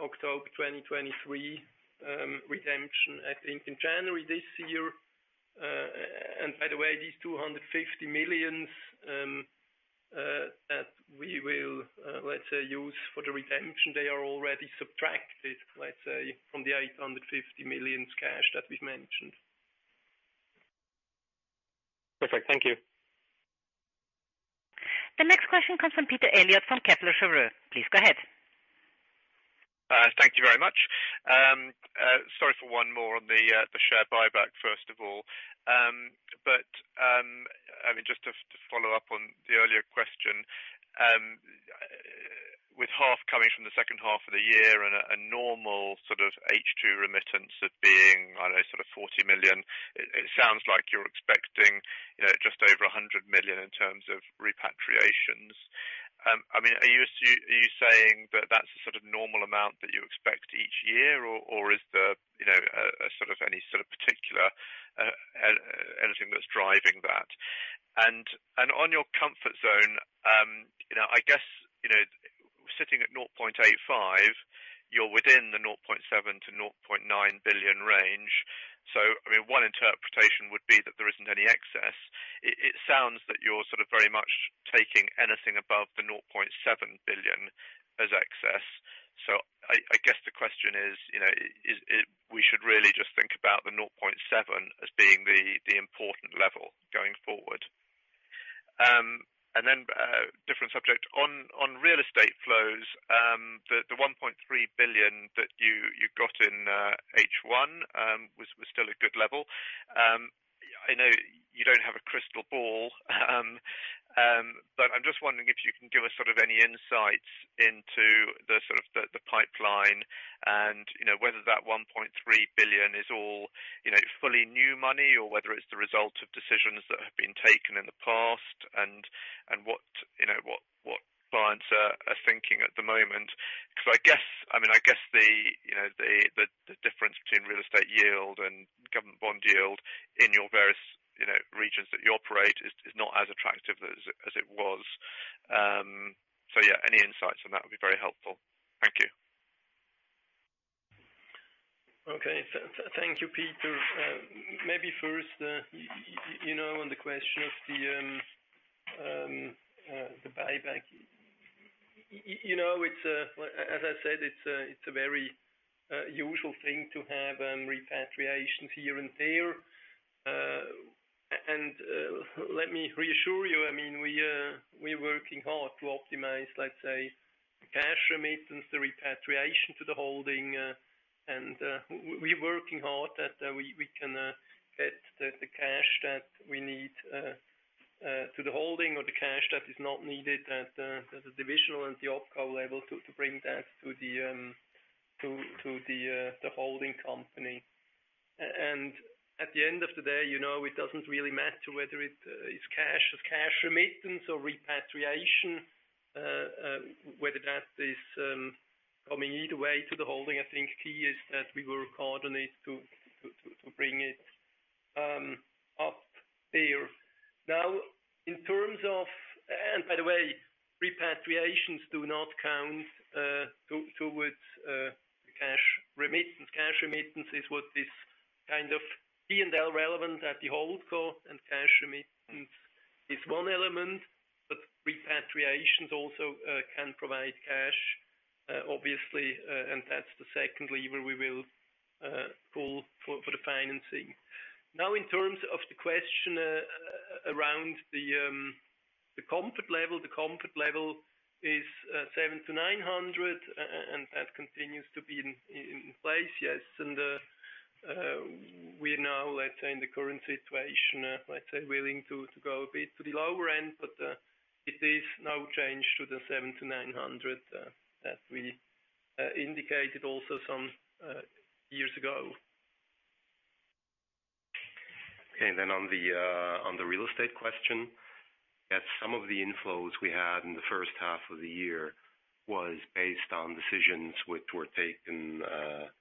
October 2023 redemption, I think, in January this year. And by the way, these 250 million that we will use for the redemption, they are already subtracted from the 850 million cash that we've mentioned. Perfect. Thank you. The next question comes from Peter Eliot of Kepler Cheuvreux. Please go ahead. Thank you very much. Sorry for one more on the share buyback, first of all. But, I mean, just to follow up on the earlier question, with half coming from the second half of the year and a normal sort of H2 remittance of being, I don't know, sort of 40 million, it sounds like you're expecting, you know, just over 100 million in terms of repatriations. I mean, are you saying that that's the sort of normal amount that you expect each year, or is there, you know, a sort of any sort of particular anything that's driving that? And on your comfort zone, you know, I guess, you know, sitting at 0.85, you're within the 0.7 billion-0.9 billion range. So, I mean, one interpretation would be that there isn't any excess. It sounds that you're sort of very much taking anything above the 0.7 billion as excess. So I guess the question is, you know, is we should really just think about the 0.7 as being the important level going forward. And then, different subject, on real estate flows, the 1.3 billion that you got in H1 was still a good level. I know you don't have a crystal ball, but I'm just wondering if you can give us sort of any insights into the sort of the pipeline and, you know, whether that 1.3 billion is all, you know, fully new money, or whether it's the result of decisions that have been taken in the past, and what, you know, what clients are thinking at the moment. Because I guess, I mean, I guess the, you know, the difference between real estate yield and government bond yield in your various... that you operate is not as attractive as it was. So yeah, any insights on that would be very helpful. Thank you. Okay. Thank you, Peter. Maybe first, you know, on the question of the buyback. You know, it's, well, as I said, it's a very usual thing to have repatriations here and there. And let me reassure you, I mean, we're working hard to optimize, let's say, cash remittance, the repatriation to the holding. And we're working hard that we can get the cash that we need to the holding or the cash that is not needed at the divisional and the opco level, to bring that to the holding company. And at the end of the day, you know, it doesn't really matter whether it is cash, as cash remittance or repatriation, whether that is coming either way to the holding. I think key is that we will coordinate to bring it up there. Now, in terms of. And by the way, repatriations do not count to towards the cash remittance. Cash remittance is what is kind of P&L relevant at the holdco, and cash remittance is one element, but repatriations also can provide cash, obviously, and that's the second lever we will pull for the financing. Now, in terms of the question, around the the comfort level, the comfort level is 700 million-900 million, and that continues to be in place. Yes, and we're now, let's say, in the current situation, let's say, willing to go a bit to the lower end, but it is no change to the 700 million- 900 million that we indicated also some years ago. Okay, then on the real estate question, some of the inflows we had in the first half of the year was based on decisions which were taken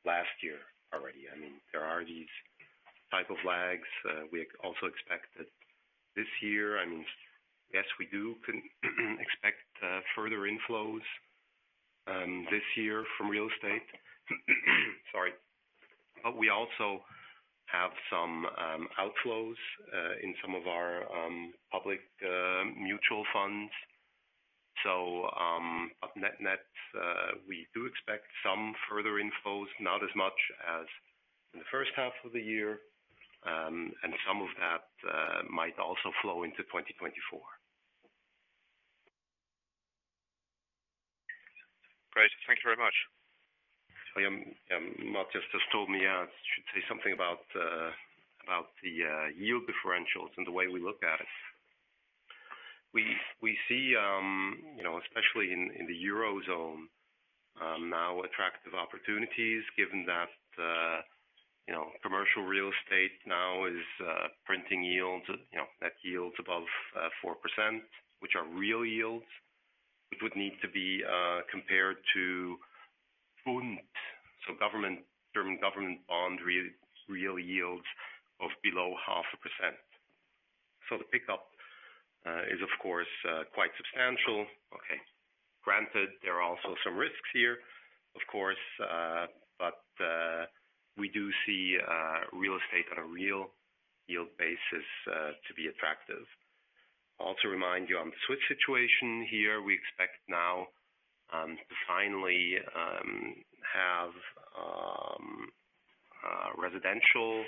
last year already. I mean, there are these type of lags. We also expect that this year, I mean, yes, we do expect further inflows this year from real estate. Sorry. But we also have some outflows in some of our public mutual funds. So, but net, net, we do expect some further inflows, not as much as in the first half of the year, and some of that might also flow into 2024. Great. Thank you very much. I, Markus just told me I should say something about the yield differentials and the way we look at it. We see, you know, especially in the Eurozone, now attractive opportunities given that, you know, commercial real estate now is printing yields, you know, net yields above 4%, which are real yields. It would need to be compared to Bund, so government, German government bond real yields of below 0.5%. So the pickup is of course quite substantial. Okay. Granted, there are also some risks here, of course, but we do see real estate on a real yield basis to be attractive. I'll also remind you on the Swiss situation here, we expect now to finally have residential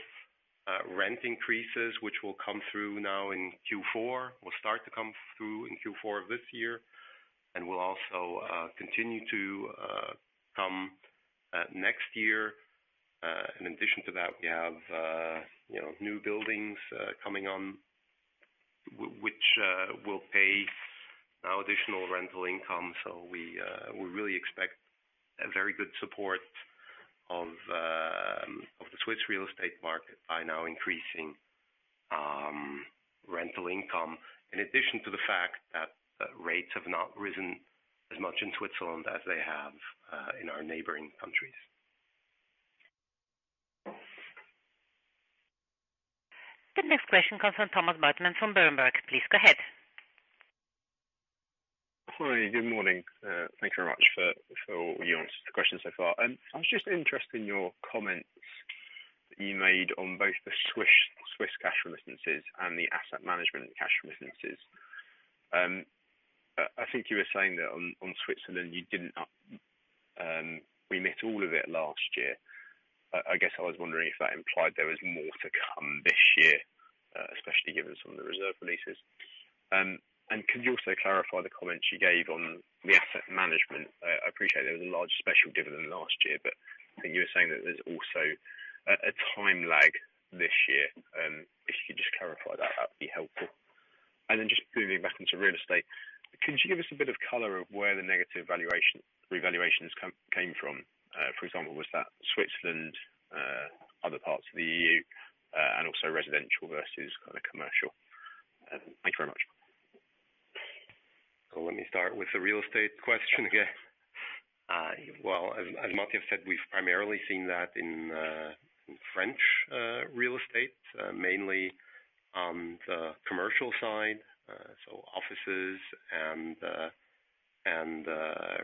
rent increases, which will come through now in Q4. Will start to come through in Q4 of this year, and will also continue to come next year. In addition to that, we have, you know, new buildings coming on, which will pay now additional rental income. So we, we really expect a very good support of the Swiss real estate market by now increasing rental income, in addition to the fact that rates have not risen as much in Switzerland as they have in our neighboring countries. The next question comes from Michael Huttner from Berenberg. Please, go ahead. Hi, good morning. Thank you very much for all you answered the questions so far. I was just interested in your comments that you made on both the Swiss cash remittances and the asset management and cash remittances. I think you were saying that on Switzerland, you did not, we met all of it last year. I guess I was wondering if that implied there was more to come this year, especially given some of the reserve releases. Could you also clarify the comments you gave on the asset management? I appreciate there was a large special dividend last year, but I think you were saying that there's also a time lag this year. If you could just clarify that, that would be helpful. And then just moving back into real estate, could you give us a bit of color of where the negative revaluations came from? For example, was that Switzerland, other parts of the EU, and also residential versus kind of commercial? Thank you very much. So let me start with the real estate question again. Well, as Matthias said, we've primarily seen that in French real estate, mainly on the commercial side, so offices and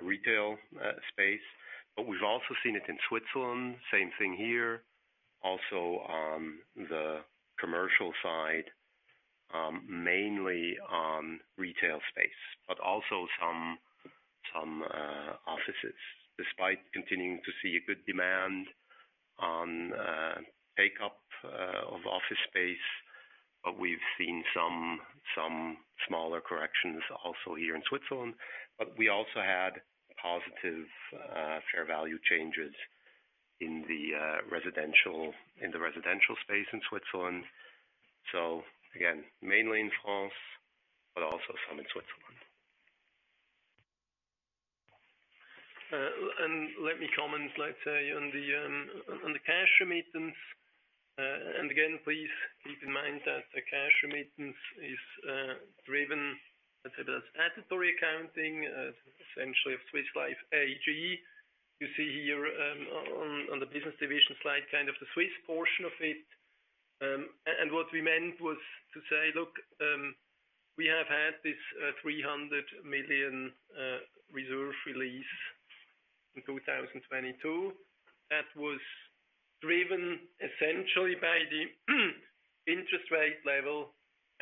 retail space. But we've also seen it in Switzerland, same thing here, also on the commercial side, mainly on retail space, but also some offices. Despite continuing to see a good demand on take-up of office space, but we've seen some smaller corrections also here in Switzerland. But we also had positive fair value changes in the residential space in Switzerland. So again, mainly in France, but also some in Switzerland. And let me comment, let's say, on the cash remittance. And again, please keep in mind that the cash remittance is driven, let's say, by statutory accounting, essentially of Swiss Life AG. You see here, on the business division slide, kind of the Swiss portion of it. And what we meant was to say, look, we have had this 300 million reserve release in 2022, that was driven essentially by the interest rate level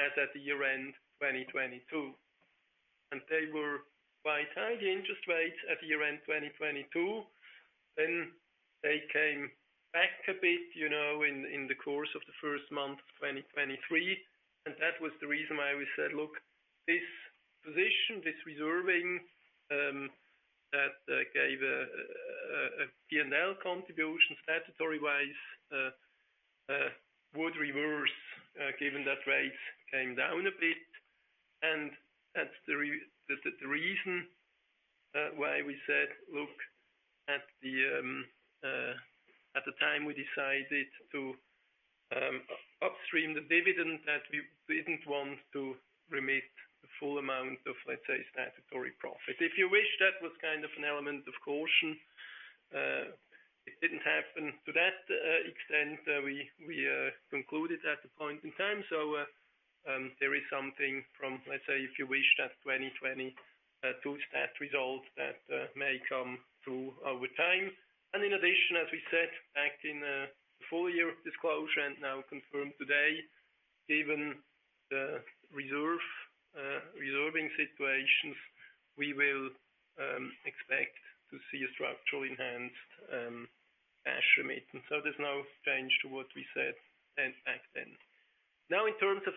as at the year-end, 2022. And they were quite high, the interest rates at the year-end, 2022, then they came back a bit, you know, in the course of the first month, 2023. That was the reason why we said, look, this position, this reserving, that gave a P&L contribution, statutory wise, would reverse, given that rates came down a bit. And that's the reason why we said, look, at the time we decided to upstream the dividend, that we didn't want to remit the full amount of, let's say, statutory profit. If you wish, that was kind of an element of caution. It didn't happen to that extent we concluded at the point in time. So, there is something from, let's say, if you wish, that 2022 stat result that may come through over time. In addition, as we said, back in the full year of disclosure and now confirmed today, given the reserving situations, we will expect to see a structurally enhanced cash remittance. So there's no change to what we said then, back then. Now, in terms of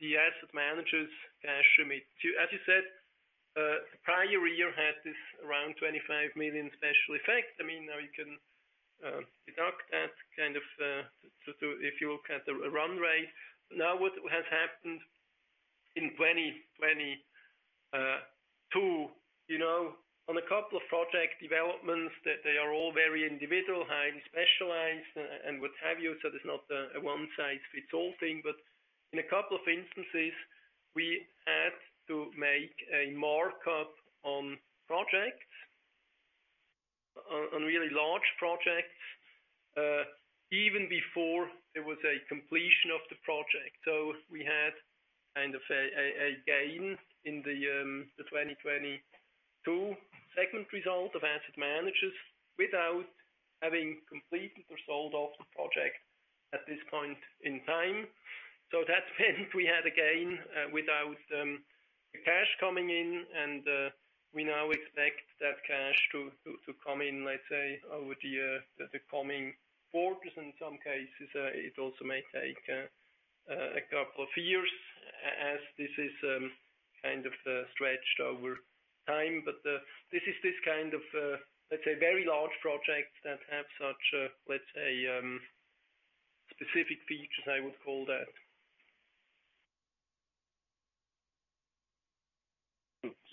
the asset managers cash remit, to—as you said, the prior year had this around 25 million special effect. I mean, now you can deduct that kind of to if you look at the run rate. Now, what has happened in 2022, you know, on a couple of project developments, that they are all very individual, highly specialized and, and what have you. So there's not a one-size-fits-all thing, but in a couple of instances, we had to make a markup on projects, really large projects, even before there was a completion of the project. So we had kind of a gain in the 2022 segment result of asset managers without having completed or sold off the project at this point in time. So that meant we had a gain without the cash coming in, and we now expect that cash to come in, let's say, over the coming quarters. In some cases, it also may take a couple of years, as this is kind of stretched over time. But this is this kind of, let's say, very large projects that have such, let's say, specific features. I would call that.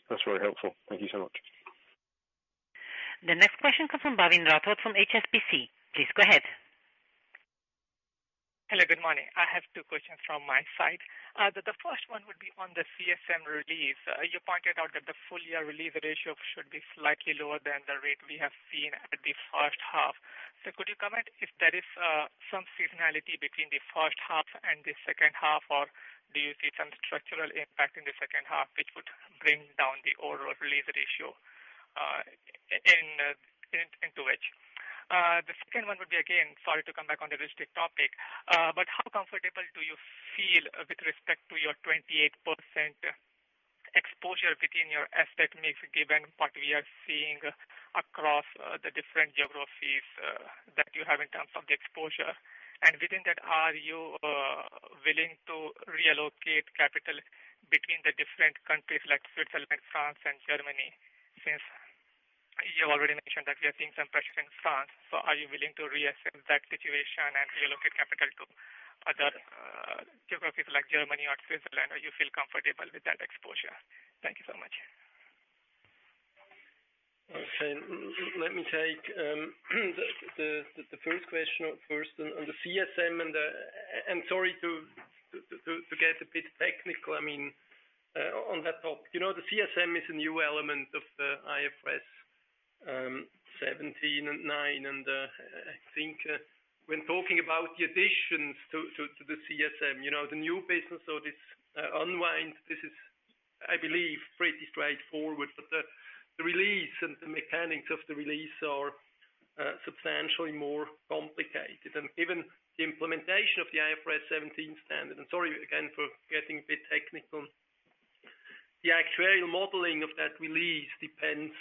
That's very helpful. Thank you so much. The next question comes from Bhavin Rathod from HSBC. Please go ahead. Hello, good morning. I have two questions from my side. The first one would be on the CSM release. You pointed out that the full year release ratio should be slightly lower than the rate we have seen at the first half. So could you comment if there is some seasonality between the first half and the second half, or do you see some structural impact in the second half, which would bring down the overall release ratio in the end? The second one would be, again, sorry to come back on the illiquid topic, but how comfortable do you feel with respect to your 28% exposure within your asset mix, given what we are seeing across the different geographies that you have in terms of the exposure? Within that, are you willing to reallocate capital between the different countries like Switzerland, France, and Germany? Since you've already mentioned that we are seeing some pressure in France, so are you willing to reassess that situation and relocate capital to other geographies like Germany or Switzerland, or you feel comfortable with that exposure? Thank you, sir. Okay, let me take the first question first. On the CSM and the and sorry to get a bit technical, I mean, on that topic. You know, the CSM is a new element of the IFRS 17 and IFRS 9, and I think, when talking about the additions to the CSM, you know, the new business or this unwind, this is, I believe, pretty straightforward. But the release and the mechanics of the release are substantially more complicated. And even the implementation of the IFRS 17 standard, and sorry again for getting a bit technical. The actuarial modeling of that release depends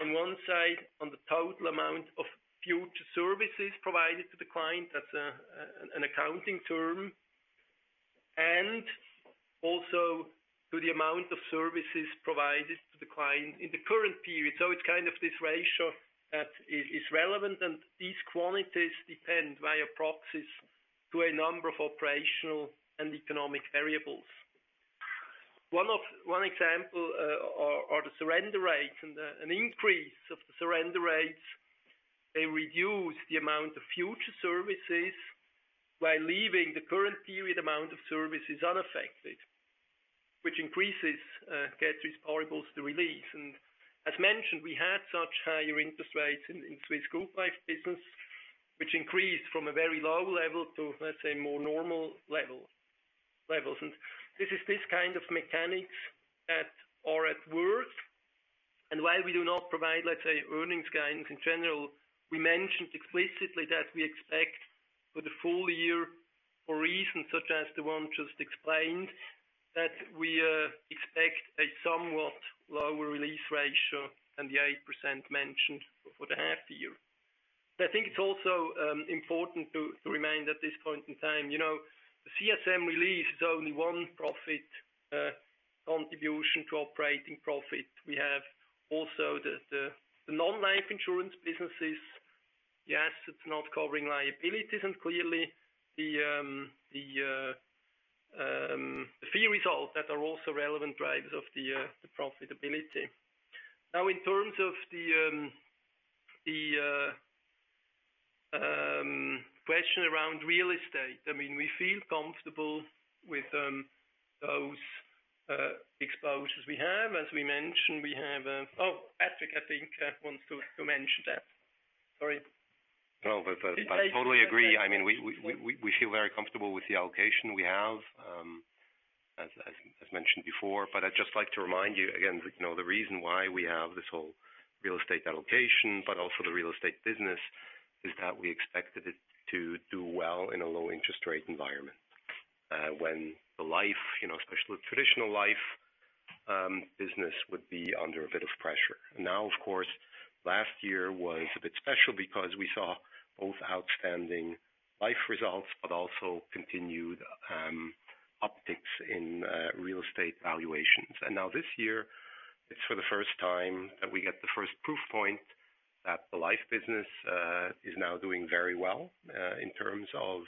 on one side, on the total amount of future services provided to the client. That's an accounting term, and also to the amount of services provided to the client in the current period. So it's kind of this ratio that is relevant, and these quantities depend via proxies to a number of operational and economic variables. One example are the surrender rates. And an increase of the surrender rates, they reduce the amount of future services while leaving the current period amount of services unaffected, which increases gets responsible to release. And as mentioned, we had such higher interest rates in Swiss group life business, which increased from a very low level to, let's say, more normal levels. And this is this kind of mechanics that are at work. While we do not provide, let's say, earnings guidance in general, we mentioned explicitly that we expect for the full year, for reasons such as the one just explained, that we expect a somewhat lower release ratio than the 8% mentioned for the half year. I think it's also important to remind at this point in time, you know, the CSM release is only one profit contribution to operating profit. We have also the non-life insurance businesses. Yes, it's not covering liabilities, and clearly, the fee results that are also relevant drivers of the profitability. Now, in terms of the question around real estate, I mean, we feel comfortable with those exposures we have. As we mentioned, we have. Oh, Patrick, I think wants to mention that. Sorry. No, but I totally agree. I mean, we feel very comfortable with the allocation we have, as mentioned before. But I'd just like to remind you again, you know, the reason why we have this whole real estate allocation, but also the real estate business, is that we expected it to do well in a low interest rate environment, when the life, you know, especially the traditional life business would be under a bit of pressure. Now, of course, last year was a bit special because we saw both outstanding life results, but also continued upticks in real estate valuations. Now this year, it's for the first time that we get the first proof point that the life business is now doing very well in terms of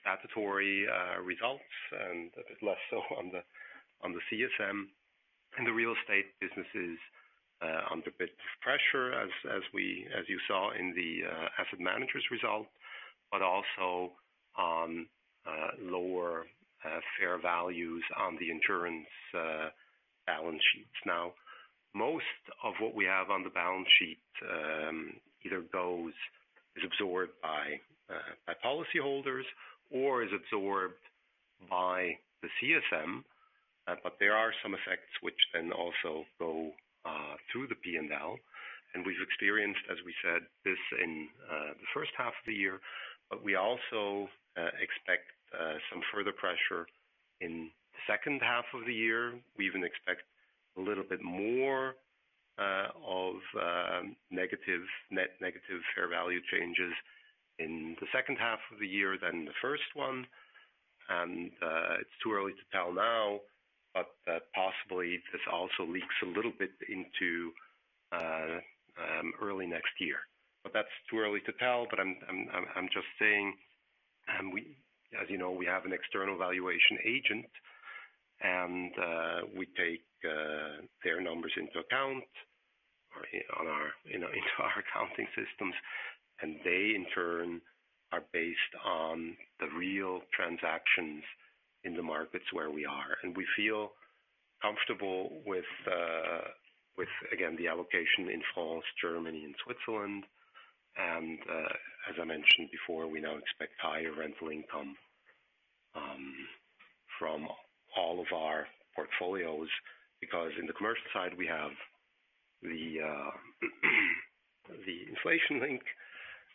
statutory results, and a bit less so on the CSM. The real estate business is under a bit of pressure as you saw in the asset managers result, but also on lower fair values on the insurance balance sheets. Now, most of what we have on the balance sheet either is absorbed by policyholders or is absorbed by the CSM. But there are some effects which then also go through the P&L. And we've experienced, as we said, this in the first half of the year, but we also expect some further pressure in the second half of the year. We even expect a little bit more of negative, net negative fair value changes in the second half of the year than in the first one. And it's too early to tell now, but possibly this also leaks a little bit into early next year. But that's too early to tell, but I'm just saying, we, as you know, we have an external valuation agent, and we take their numbers into account or on our, you know, into our accounting systems. And they, in turn, are based on the real transactions in the markets where we are. We feel comfortable with, with, again, the allocation in France, Germany, and Switzerland. As I mentioned before, we now expect higher rental income, from all of our portfolios, because in the commercial side, we have the, the inflation link,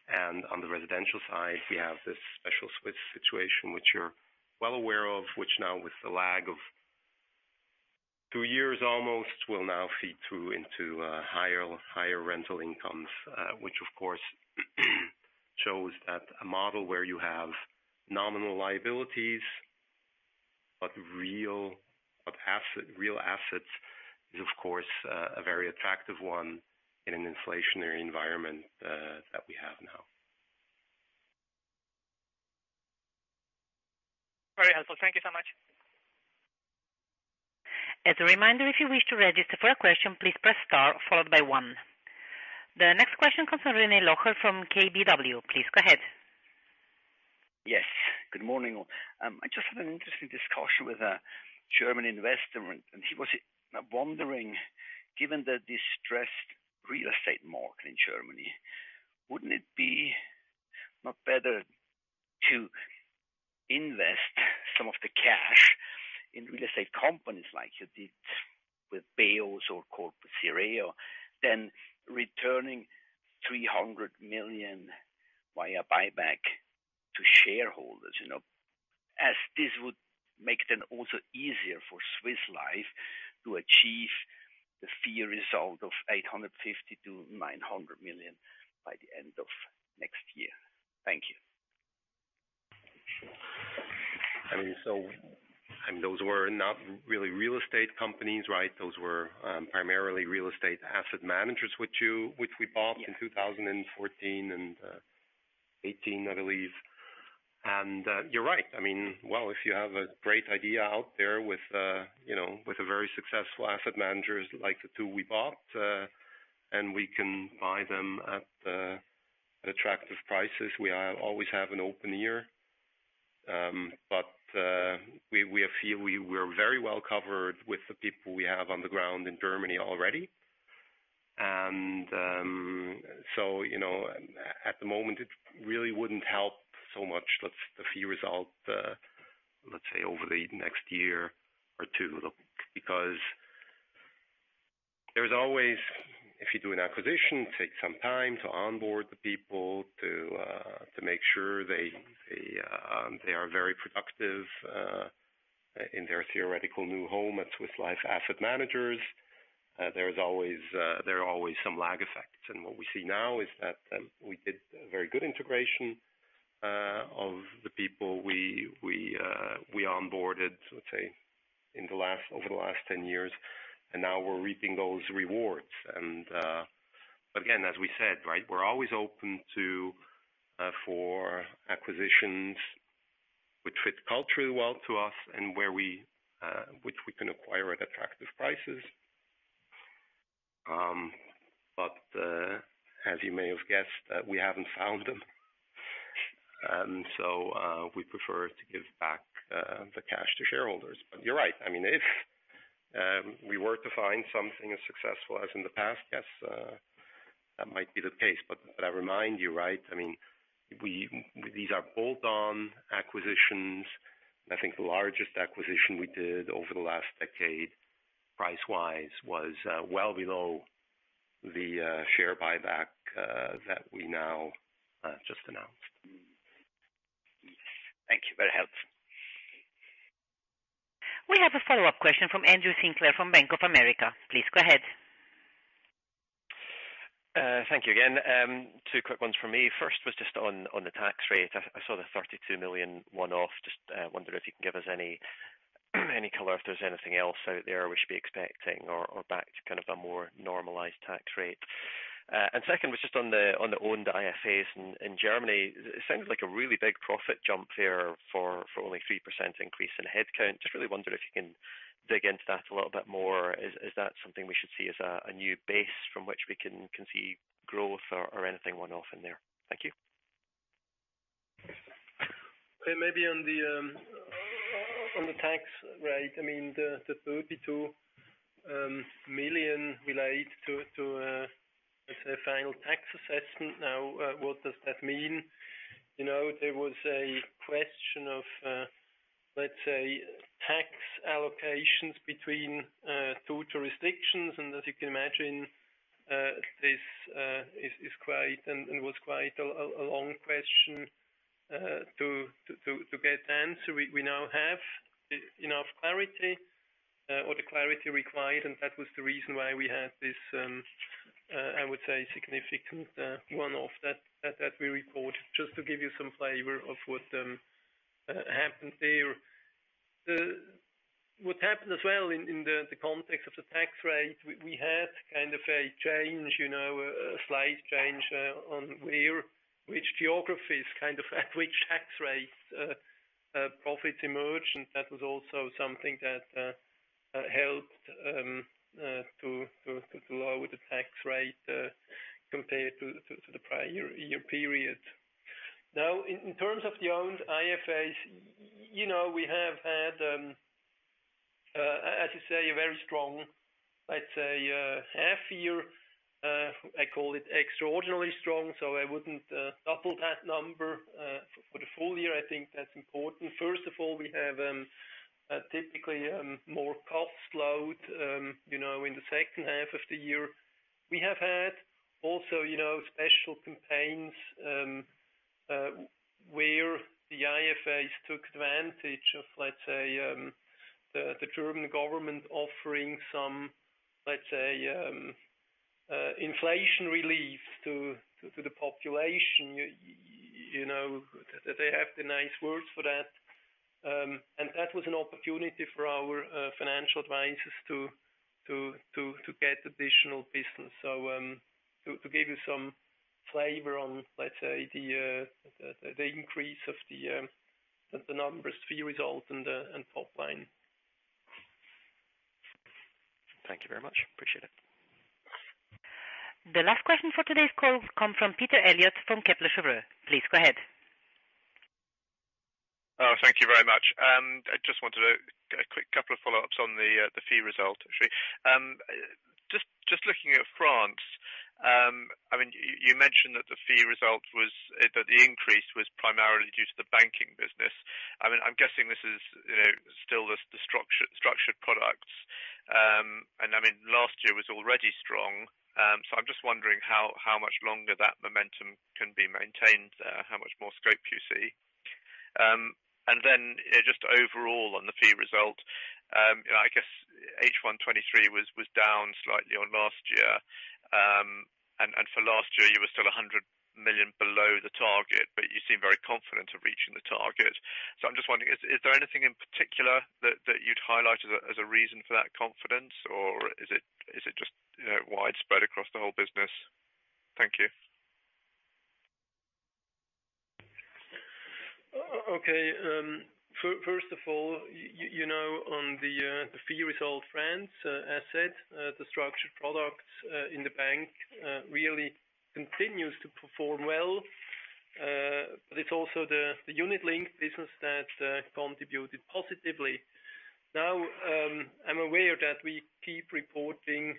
and on the residential side, we have this special Swiss situation, which you're well aware of, which now with the lag of two years, almost, will now feed through into, higher, higher rental incomes. Which of course, shows that a model where you have nominal liabilities, but real, but asset, real assets is, of course, a very attractive one in an inflationary environment, that we have now. That's helpful. Thank you so much. As a reminder, if you wish to register for a question, please press star followed by one. The next question comes from René Locher from KBW. Please go ahead. Yes, good morning all. I just had an interesting discussion with a German investor, and, and he was wondering, given the distressed real estate market in Germany, wouldn't it be not better to invest some of the cash in real estate companies like you did with BEOS or Corpus Sireo, than returning 300 million via buyback to shareholders, you know? As this would make it then also easier for Swiss Life to achieve the fee result of 850 million-900 million by the end of next year. Thank you. I mean, so, and those were not really real estate companies, right? Those were, primarily real estate asset managers, which you—which we bought- Yes. in 2014 and 2018, I believe. And you're right. I mean, well, if you have a great idea out there with, you know, with a very successful asset managers like the two we bought, and we can buy them at attractive prices, we are always have an open ear. But we feel we were very well covered with the people we have on the ground in Germany already. And so, you know, at the moment, it really wouldn't help so much with the fee result, let's say, over the next year or two. Look, because there's always, if you do an acquisition, it takes some time to onboard the people to make sure they, they are very productive in their theoretical new home at Swiss Life Asset Managers. There's always, there are always some lag effects. And what we see now is that, we did a very good integration, of the people we onboarded, let's say, over the last 10 years, and now we're reaping those rewards. And, but again, as we said, right, we're always open to, for acquisitions which fit culturally well to us and where we, which we can acquire at attractive prices. But, as you may have guessed, we haven't found them. And so, we prefer to give back, the cash to shareholders. But you're right. I mean, if, we were to find something as successful as in the past, yes, that might be the case. But I remind you, right, I mean, these are bolt-on acquisitions. I think the largest acquisition we did over the last decade, price-wise, was well below the share buyback that we now just announced. Thank you. Very helpful. We have a follow-up question from Andrew Sinclair, from Bank of America. Please go ahead. Thank you again. Two quick ones from me. First was just on the tax rate. I saw the 32 million one-off. Just wondering if you can give us any color, if there's anything else out there we should be expecting or back to kind of a more normalized tax rate. And second was just on the owned IFAs in Germany. It sounds like a really big profit jump there for only 3% increase in headcount. Just really wonder if you can dig into that a little bit more. Is that something we should see as a new base from which we can see growth or anything one-off in there? Thank you. Maybe on the tax rate, I mean, the 32 million relate to, let's say, final tax assessment. Now, what does that mean? You know, there was a question of, let's say, tax allocations between two jurisdictions, and as you can imagine, this is quite and was quite a long question to get answered. We now have enough clarity, or the clarity required, and that was the reason why we had this, I would say, significant one-off that we reported. Just to give you some flavor of what happened there. What happened as well in the context of the tax rate, we had kind of a change, you know, a slight change on which geographies, kind of, at which tax rates profits emerged, and that was also something that helped to lower the tax rate compared to the prior year period. Now, in terms of the owned IFAs, you know, we have had, as you say, a very strong, let's say, half year. I call it extraordinarily strong, so I wouldn't double that number for the full year. I think that's important. First of all, we have a typically more cost load, you know, in the second half of the year. We have had also, you know, special campaigns where the IFAs took advantage of, let's say, the German government offering some, let's say, inflation relief to the population. You know, they have the nice words for that. And that was an opportunity for our financial advisors to get additional business. So, to give you some flavor on, let's say, the increase of the numbers fee result and top line. Thank you very much. Appreciate it. The last question for today's call comes from Peter Eliot from Kepler Cheuvreux. Please go ahead. Thank you very much. I just wanted to get a quick couple of follow-ups on the fee result actually. Just looking at France, I mean, you mentioned that the fee result was that the increase was primarily due to the banking business. I mean, I'm guessing this is, you know, still the structured products. And I mean, last year was already strong. So I'm just wondering how much longer that momentum can be maintained, how much more scope you see? And then, you know, just overall on the fee result, you know, I guess H1 2023 was down slightly on last year. And for last year, you were still 100 million below the target, but you seem very confident of reaching the target. I'm just wondering, is there anything in particular that you'd highlight as a reason for that confidence? Or is it just, you know, widespread across the whole business? Thank you. Okay. First of all, you know, on the fee result, France, as said, the structured products in the bank really continues to perform well. But it's also the unit-linked business that contributed positively. Now, I'm aware that we keep reporting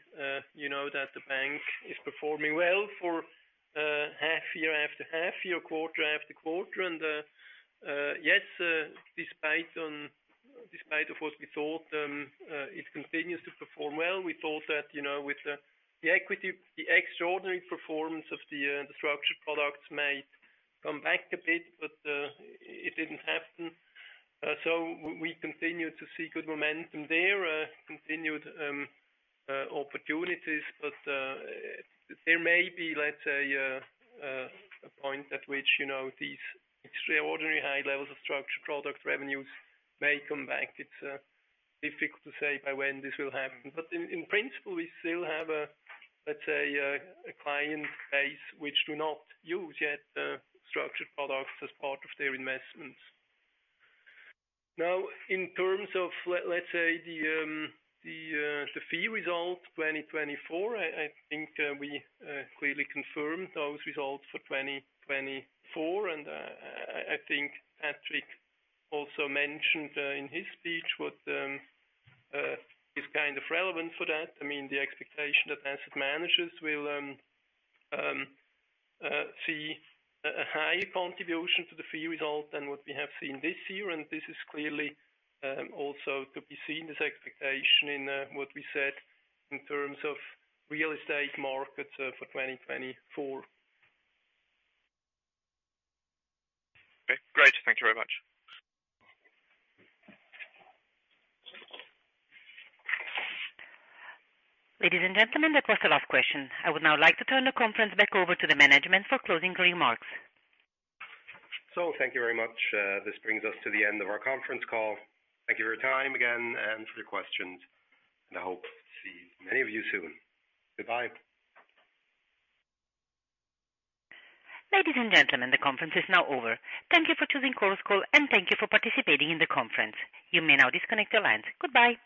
you know that the bank is performing well for half year after half year, quarter after quarter. And yes, despite of what we thought, it continues to perform well. We thought that you know with the equity the extraordinary performance of the structured products might come back a bit, but it didn't happen. So we continue to see good momentum there, continued opportunities. But, there may be, let's say, a point at which, you know, these extraordinary high levels of structured product revenues may come back. It's difficult to say by when this will happen. But in principle, we still have a, let's say, a client base, which do not use yet, structured products as part of their investments. Now, in terms of let's say, the fee result 2024, I think we clearly confirmed those results for 2024. And, I think Patrick also mentioned, in his speech what is kind of relevant for that. I mean, the expectation that asset managers will see a high contribution to the fee result than what we have seen this year. This is clearly also to be seen as expectation in what we said in terms of real estate markets for 2024. Okay, great. Thank you very much. Ladies and gentlemen, that was the last question. I would now like to turn the conference back over to the management for closing remarks. Thank you very much. This brings us to the end of our conference call. Thank you for your time again, and for your questions, and I hope to see many of you soon. Goodbye. Ladies and gentlemen, the conference is now over. Thank you for choosing Chorus Call, and thank you for participating in the conference. You may now disconnect your lines. Goodbye.